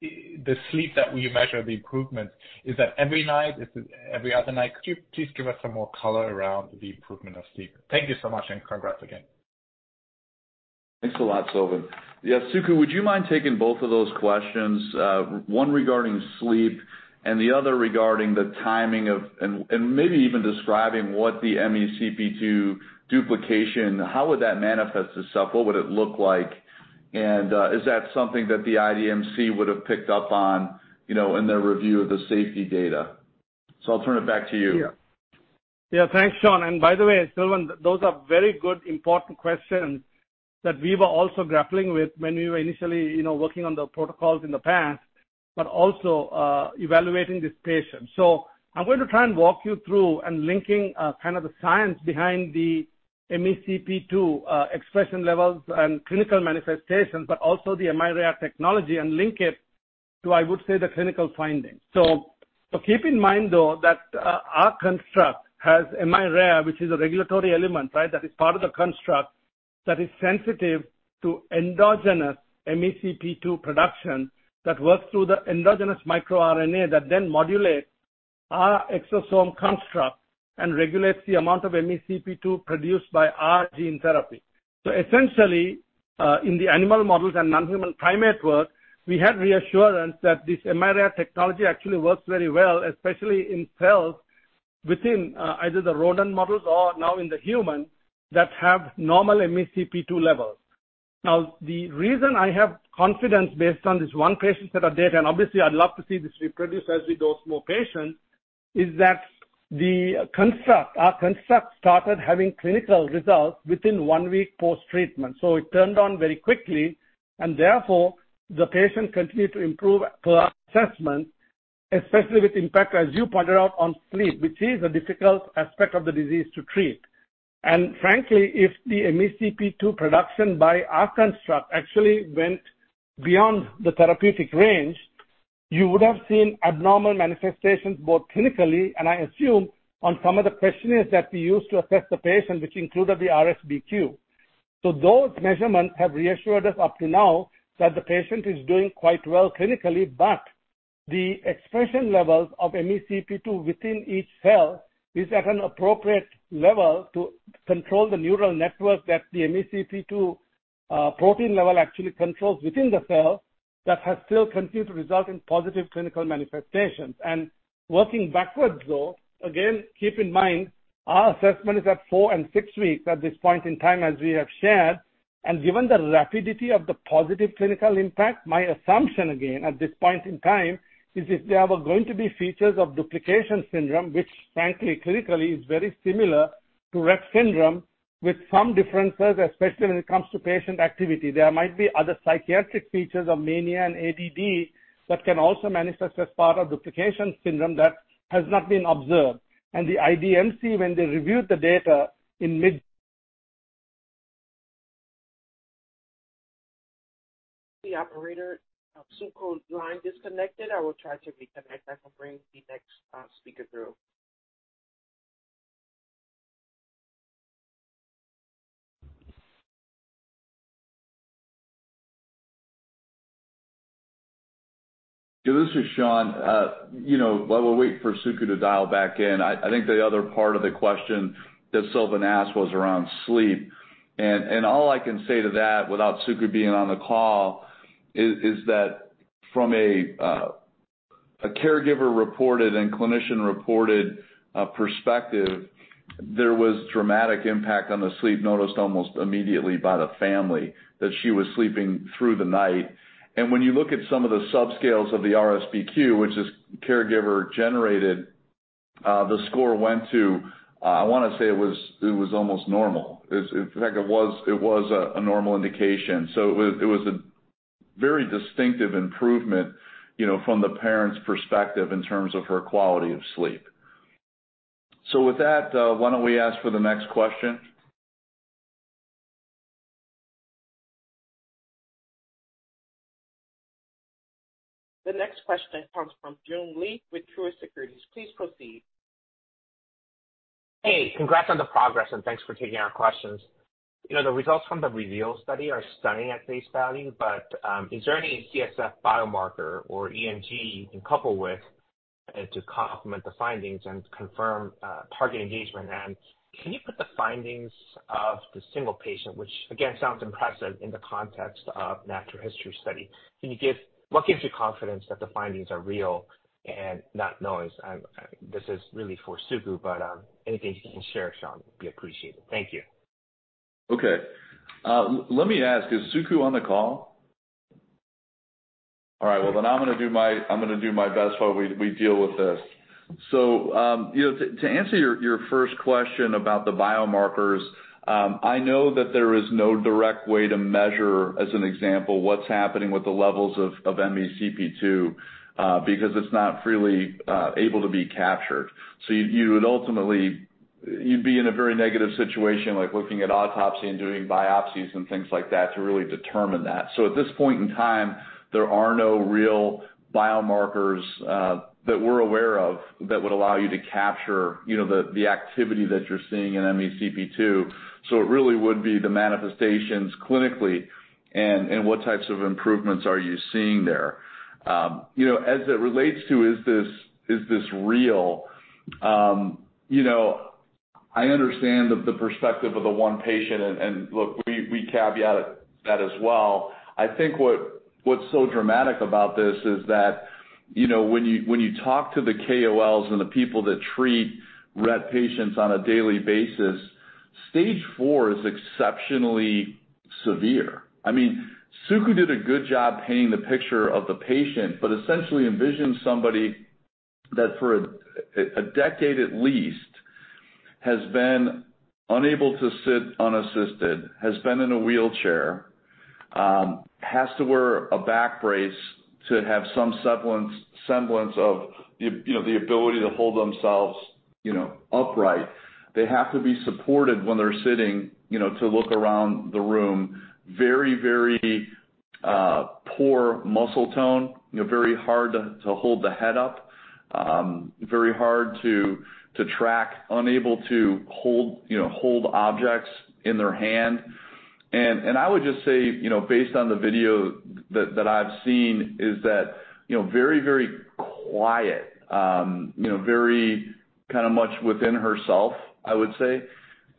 [SPEAKER 9] the sleep that we measure the improvement, is that every night, is it every other night? Could you please give us some more color around the improvement of sleep? Thank you so much. Congrats again.
[SPEAKER 3] Thanks a lot, Silvan. Yeah, Suku, would you mind taking both of those questions, one regarding sleep and the other regarding the timing of... and maybe even describing what the MECP2 duplication, how would that manifest itself? What would it look like? Is that something that the IDMC would have picked up on, you know, in their review of the safety data? I'll turn it back to you.
[SPEAKER 4] Yeah. Yeah, thanks, Sean. By the way, Silvan, those are very good, important questions that we were also grappling with when we were initially, you know, working on the protocols in the past, but also evaluating this patient. I'm going to try and walk you through and linking, kind of the science behind the MECP2 expression levels and clinical manifestations, but also the miRARE technology, and link it to, I would say, the clinical findings. Keep in mind, though, that our construct has miRARE, which is a regulatory element, right? That is part of the construct that is sensitive to endogenous MECP2 production that works through the endogenous microRNA, that then modulates our exosome construct and regulates the amount of MECP2 produced by our gene therapy. Essentially, in the animal models and nonhuman primate work, we had reassurance that this miRARE technology actually works very well, especially in cells within, either the rodent models or now in the human, that have normal MECP2 levels. Now, the reason I have confidence based on this one patient set of data, and obviously I'd love to see this reproduced as we dose more patients, is that the construct, our construct, started having clinical results within one week post-treatment. It turned on very quickly and therefore, the patient continued to improve per assessment, especially with impact, as you pointed out, on sleep, which is a difficult aspect of the disease to treat. Frankly, if the MECP2 production by our construct actually went beyond the therapeutic range, you would have seen abnormal manifestations, both clinically and I assume on some of the questionnaires that we used to assess the patient, which included the RSBQ. Those measurements have reassured us up to now that the patient is doing quite well clinically, but the expression levels of MECP2 within each cell is at an appropriate level to control the neural network that the MECP2 protein level actually controls within the cell, that has still continued to result in positive clinical manifestations. Working backwards, though, again, keep in mind our assessment is at four and six weeks at this point in time, as we have shared. Given the rapidity of the positive clinical impact, my assumption, again, at this point in time, is if there were going to be features of duplication syndrome, which frankly, clinically is very similar to Rett syndrome with some differences, especially when it comes to patient activity. There might be other psychiatric features of mania and ADD that can also manifest as part of duplication syndrome that has not been observed. The IDMC, when they reviewed the data in mid-
[SPEAKER 1] The operator, Suku's line disconnected. I will try to reconnect. I will bring the next speaker through.
[SPEAKER 3] This is Sean. You know, while we wait for Suku to dial back in, I, I think the other part of the question that Silva asked was around sleep. All I can say to that, without Suku being on the call, is, is that from a caregiver-reported and clinician-reported perspective, there was dramatic impact on the sleep, noticed almost immediately by the family, that she was sleeping through the night. When you look at some of the subscales of the RSBQ, which is caregiver-generated, the score went to, I want to say it was, it was almost normal. In, in fact, it was, it was a, a normal indication. It was, it was a very distinctive improvement, you know, from the parents' perspective in terms of her quality of sleep. With that, why don't we ask for the next question?
[SPEAKER 1] The next question comes from Joon Lee with Truist Securities. Please proceed.
[SPEAKER 10] Hey, congrats on the progress, and thanks for taking our questions. You know, the results from the REVEAL study are stunning at face value, but is there any CSF biomarker or EMG you can couple with to complement the findings and confirm target engagement? Can you put the findings of the single patient, which again, sounds impressive in the context of natural history study, what gives you confidence that the findings are real and not noise? This is really for Suku, but anything you can share, Sean, would be appreciated. Thank you.
[SPEAKER 3] Okay. Let me ask, is Suku on the call? All right, well, then I'm gonna do my best while we, we deal with this. You know, to, to answer your, your first question about the biomarkers, I know that there is no direct way to measure, as an example, what's happening with the levels of MECP2, because it's not freely able to be captured. You, you would ultimately... You'd be in a very negative situation, like looking at autopsy and doing biopsies and things like that, to really determine that. At this point in time, there are no real biomarkers that we're aware of, that would allow you to capture, you know, the, the activity that you're seeing in MECP2. It really would be the manifestations clinically and, and what types of improvements are you seeing there. You know, as it relates to, is this, is this real? You know, I understand the, the perspective of the one patient, and, and look, we, we caveat that as well. I think what, what's so dramatic about this is that, you know, when you, when you talk to the KOLs and the people that treat Rett patients on a daily basis, Stage 4 is exceptionally severe. I mean, Suku did a good job painting the picture of the patient, but essentially envision somebody that for a, a decade at least, has been unable to sit unassisted, has been in a wheelchair, has to wear a back brace to have some semblance, semblance of the, you know, the ability to hold themselves, you know, upright. They have to be supported when they're sitting, you know, to look around the room. Very, very poor muscle tone, you know, very hard to hold the head up, very hard to track, unable to hold, you know, hold objects in their hand. I would just say, you know, based on the video that I've seen, is that, you know, very, very quiet, you know, very kind of much within herself, I would say,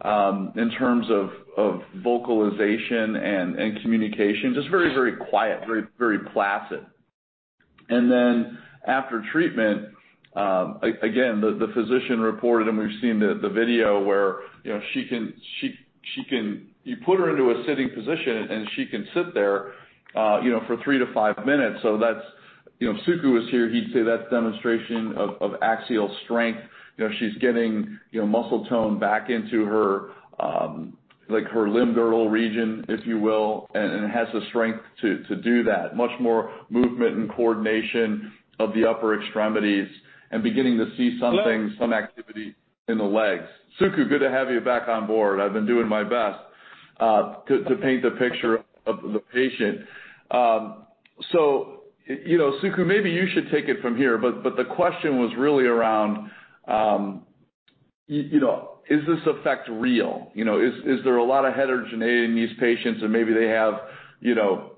[SPEAKER 3] in terms of vocalization and communication. Just very, very quiet, very, very placid. After treatment, again, the physician reported, and we've seen the video where, you know, she can. You put her into a sitting position, and she can sit there, you know, for three-five minutes. That's... You know, if Suku was here, he'd say that's demonstration of, of axial strength. You know, she's getting, you know, muscle tone back into her, like her limb girdle region, if you will, and, and has the strength to, to do that. Much more movement and coordination of the upper extremities and beginning to see something, some activity in the legs. Suku, good to have you back on board. I've been doing my best to, to paint the picture of, of the patient. You know, Suku, maybe you should take it from here, but the question was really around, you know, is this effect real? You know, is, is there a lot of heterogeneity in these patients and maybe they have, you know,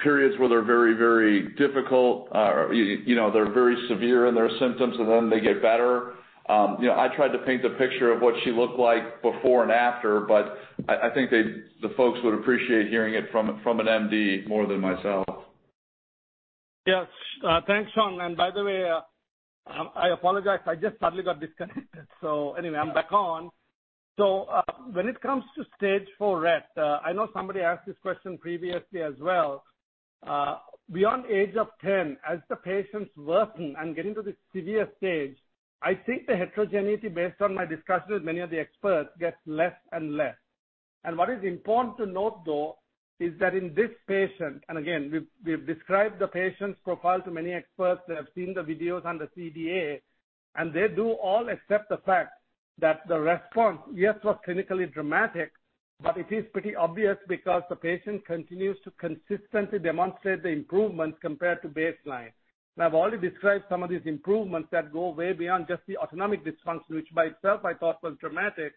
[SPEAKER 3] periods where they're very, very difficult, you know, they're very severe in their symptoms, and then they get better? You know, I tried to paint the picture of what she looked like before and after, but I, I think they, the folks would appreciate hearing it from, from an MD more than myself.
[SPEAKER 4] Yes. Thanks, Sean, by the way, I apologize, I just suddenly got disconnected. Anyway, I'm back on. When it comes to Stage 4 Rett, I know somebody asked this question previously as well. Beyond age of 10, as the patients worsen and get into the severe stage, I think the heterogeneity, based on my discussions with many of the experts, gets less and less. What is important to note, though, is that in this patient, and again, we've, we've described the patient's profile to many experts. They have seen the videos on the CDA, and they do all accept the fact that the response, yes, was clinically dramatic, but it is pretty obvious because the patient continues to consistently demonstrate the improvements compared to baseline. I've already described some of these improvements that go way beyond just the autonomic dysfunction, which by itself I thought was dramatic,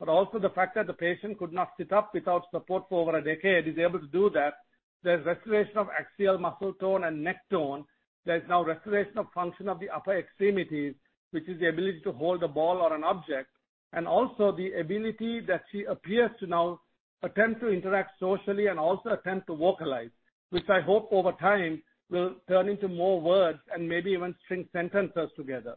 [SPEAKER 4] but also the fact that the patient could not sit up without support for over a decade, is able to do that. There's restoration of axial muscle tone and neck tone. There's now restoration of function of the upper extremities, which is the ability to hold a ball or an object, and also the ability that she appears to now attempt to interact socially and also attempt to vocalize, which I hope over time will turn into more words and maybe even string sentences together.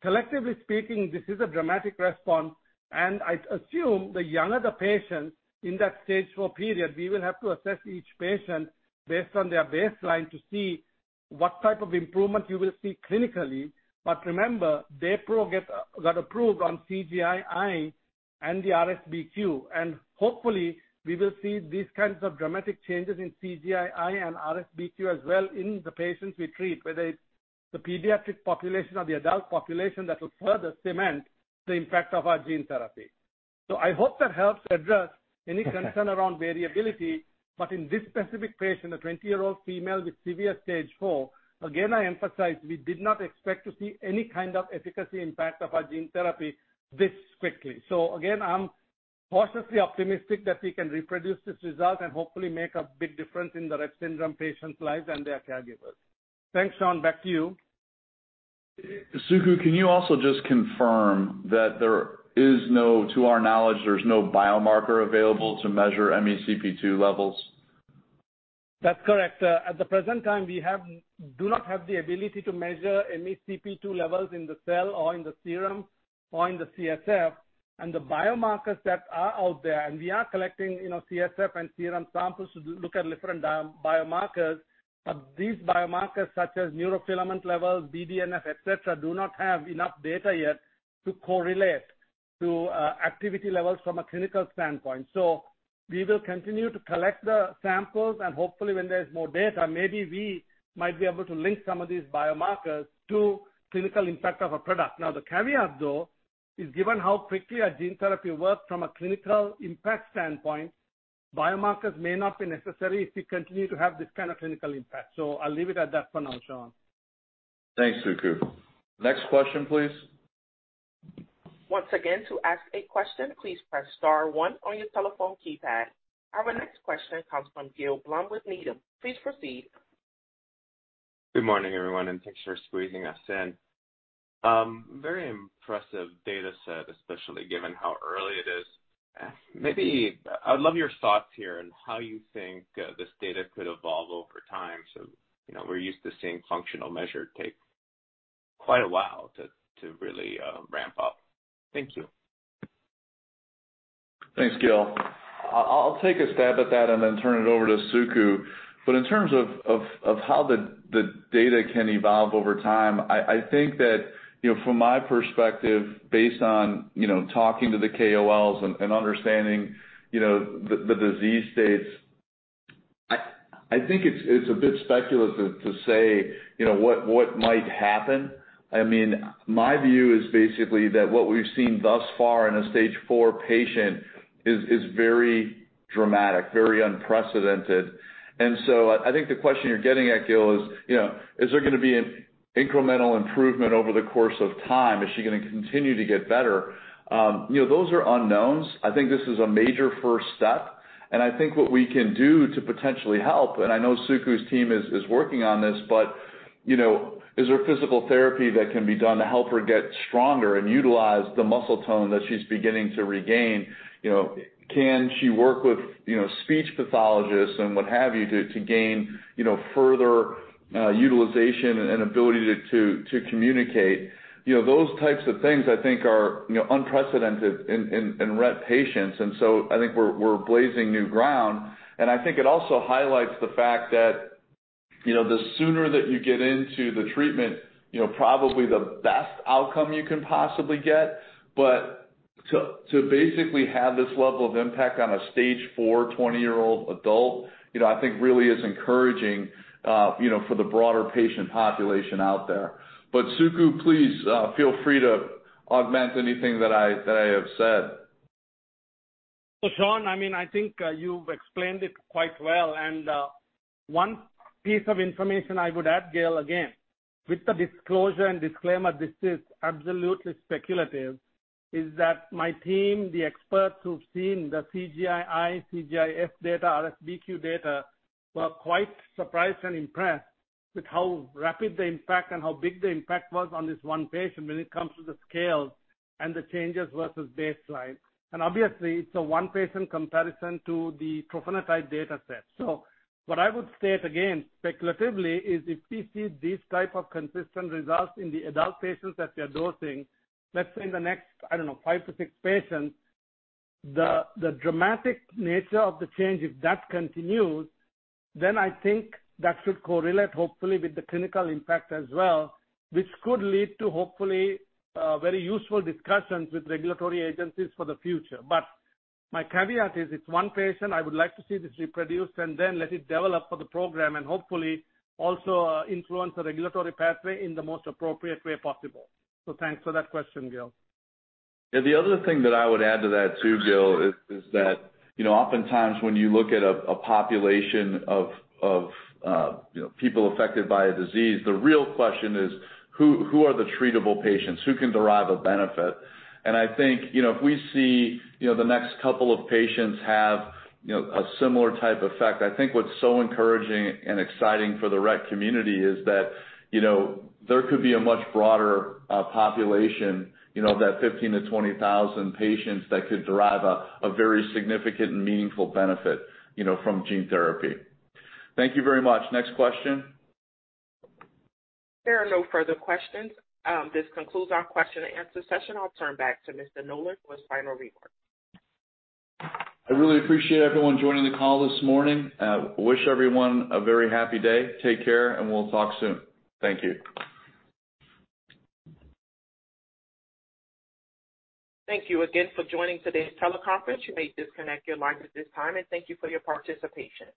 [SPEAKER 4] Collectively speaking, this is a dramatic response, and I assume the younger the patient in that Stage 4 period, we will have to assess each patient based on their baseline to see what type of improvement you will see clinically. Remember, DAYBUE get, got approved on CGI-I and the RSBQ, and hopefully, we will see these kinds of dramatic changes in CGI-I and the RSBQ as well in the patients we treat, whether it's the pediatric population or the adult population, that will further cement the impact of our gene therapy. I hope that helps address any concern around variability, but in this specific patient, a 20-year-old female with severe Stage 4, again, I emphasize, we did not expect to see any kind of efficacy impact of our gene therapy this quickly. Again, I'm cautiously optimistic that we can reproduce this result and hopefully make a big difference in the Rett syndrome patients' lives and their caregivers. Thanks, Sean. Back to you.
[SPEAKER 3] Suku, can you also just confirm that there is no, to our knowledge, there's no biomarker available to measure MECP2 levels?
[SPEAKER 4] That's correct. At the present time, we do not have the ability to measure MECP2 levels in the cell or in the serum or in the CSF. The biomarkers that are out there, and we are collecting, you know, CSF and serum samples to look at different biomarkers. These biomarkers, such as neurofilament levels, BDNF, et cetera, do not have enough data yet to correlate to activity levels from a clinical standpoint. We will continue to collect the samples, and hopefully, when there's more data, maybe we might be able to link some of these biomarkers to clinical impact of our product. The caveat, though, is given how quickly our gene therapy works from a clinical impact standpoint, biomarkers may not be necessary if we continue to have this kind of clinical impact. I'll leave it at that for now, Sean.
[SPEAKER 3] Thanks, Suku. Next question, please.
[SPEAKER 1] Once again, to ask a question, please press star one on your telephone keypad. Our next question comes from Gil Blum with Needham. Please proceed.
[SPEAKER 11] Good morning, everyone, thanks for squeezing us in. Very impressive data set, especially given how early it is. I would love your thoughts here on how you think this data could evolve over time. You know, we're used to seeing functional measure take quite a while to, to really ramp up. Thank you.
[SPEAKER 3] Thanks, Gil. I'll take a stab at that and then turn it over to Suku. In terms of, of, of how the, the data can evolve over time, I, I think that, you know, from my perspective, based on, you know, talking to the KOLs and, and understanding, you know, the, the disease states, I, I think it's, it's a bit speculative to say, you know, what, what might happen. I mean, my view is basically that what we've seen thus far in a Stage 4 patient is, is very dramatic, very unprecedented. So I think the question you're getting at, Gil, is, you know, is there gonna be an incremental improvement over the course of time? Is she gonna continue to get better? You know, those are unknowns. I think this is a major first step, and I think what we can do to potentially help, and I know Suku's team is working on this, but, you know, is there physical therapy that can be done to help her get stronger and utilize the muscle tone that she's beginning to regain? You know, can she work with, you know, speech pathologists and what have you, to gain, you know, further utilization and ability to communicate? You know, those types of things I think are, you know, unprecedented in Rett patients, so I think we're blazing new ground. I think it also highlights the fact that, you know, the sooner that you get into the treatment, you know, probably the best outcome you can possibly get. to, to basically have this level of impact on a Stage 4, 20-year-old adult, you know, I think really is encouraging, you know, for the broader patient population out there. Suku, please, feel free to augment anything that I, that I have said.
[SPEAKER 4] Sean, I mean, I think, you've explained it quite well. One piece of information I would add, Gil, again, with the disclosure and disclaimer, this is absolutely speculative, is that my team, the experts who've seen the CGI-I, CGI-F data, RSBQ data, were quite surprised and impressed with how rapid the impact and how big the impact was on this one patient when it comes to the scales and the changes versus baseline. Obviously, it's a one-patient comparison to the trofinetide data set. What I would state again, speculatively, is if we see these type of consistent results in the adult patients that we are dosing, let's say in the next, I don't know, five to six patients, the dramatic nature of the change, if that continues, then I think that should correlate hopefully with the clinical impact as well, which could lead to hopefully, very useful discussions with regulatory agencies for the future. My caveat is, it's one patient. I would like to see this reproduced and then let it develop for the program, and hopefully also, influence the regulatory pathway in the most appropriate way possible. Thanks for that question, Gil.
[SPEAKER 3] The other thing that I would add to that too, Gil, is that, you know, oftentimes when you look at a population of, of, you know, people affected by a disease, the real question is: Who are the treatable patients? Who can derive a benefit? I think, you know, if we see, you know, the next couple of patients have, you know, a similar type of effect, I think what's so encouraging and exciting for the Rett community is that, you know, there could be a much broader population, you know, that 15,000-20,000 patients that could derive a very significant and meaningful benefit, you know, from gene therapy. Thank you very much. Next question?
[SPEAKER 1] There are no further questions. This concludes our question and answer session. I'll turn back to Mr. Nolan for his final remarks.
[SPEAKER 3] I really appreciate everyone joining the call this morning. Wish everyone a very happy day. Take care, we'll talk soon. Thank you.
[SPEAKER 1] Thank you again for joining today's teleconference. You may disconnect your lines at this time. Thank you for your participation.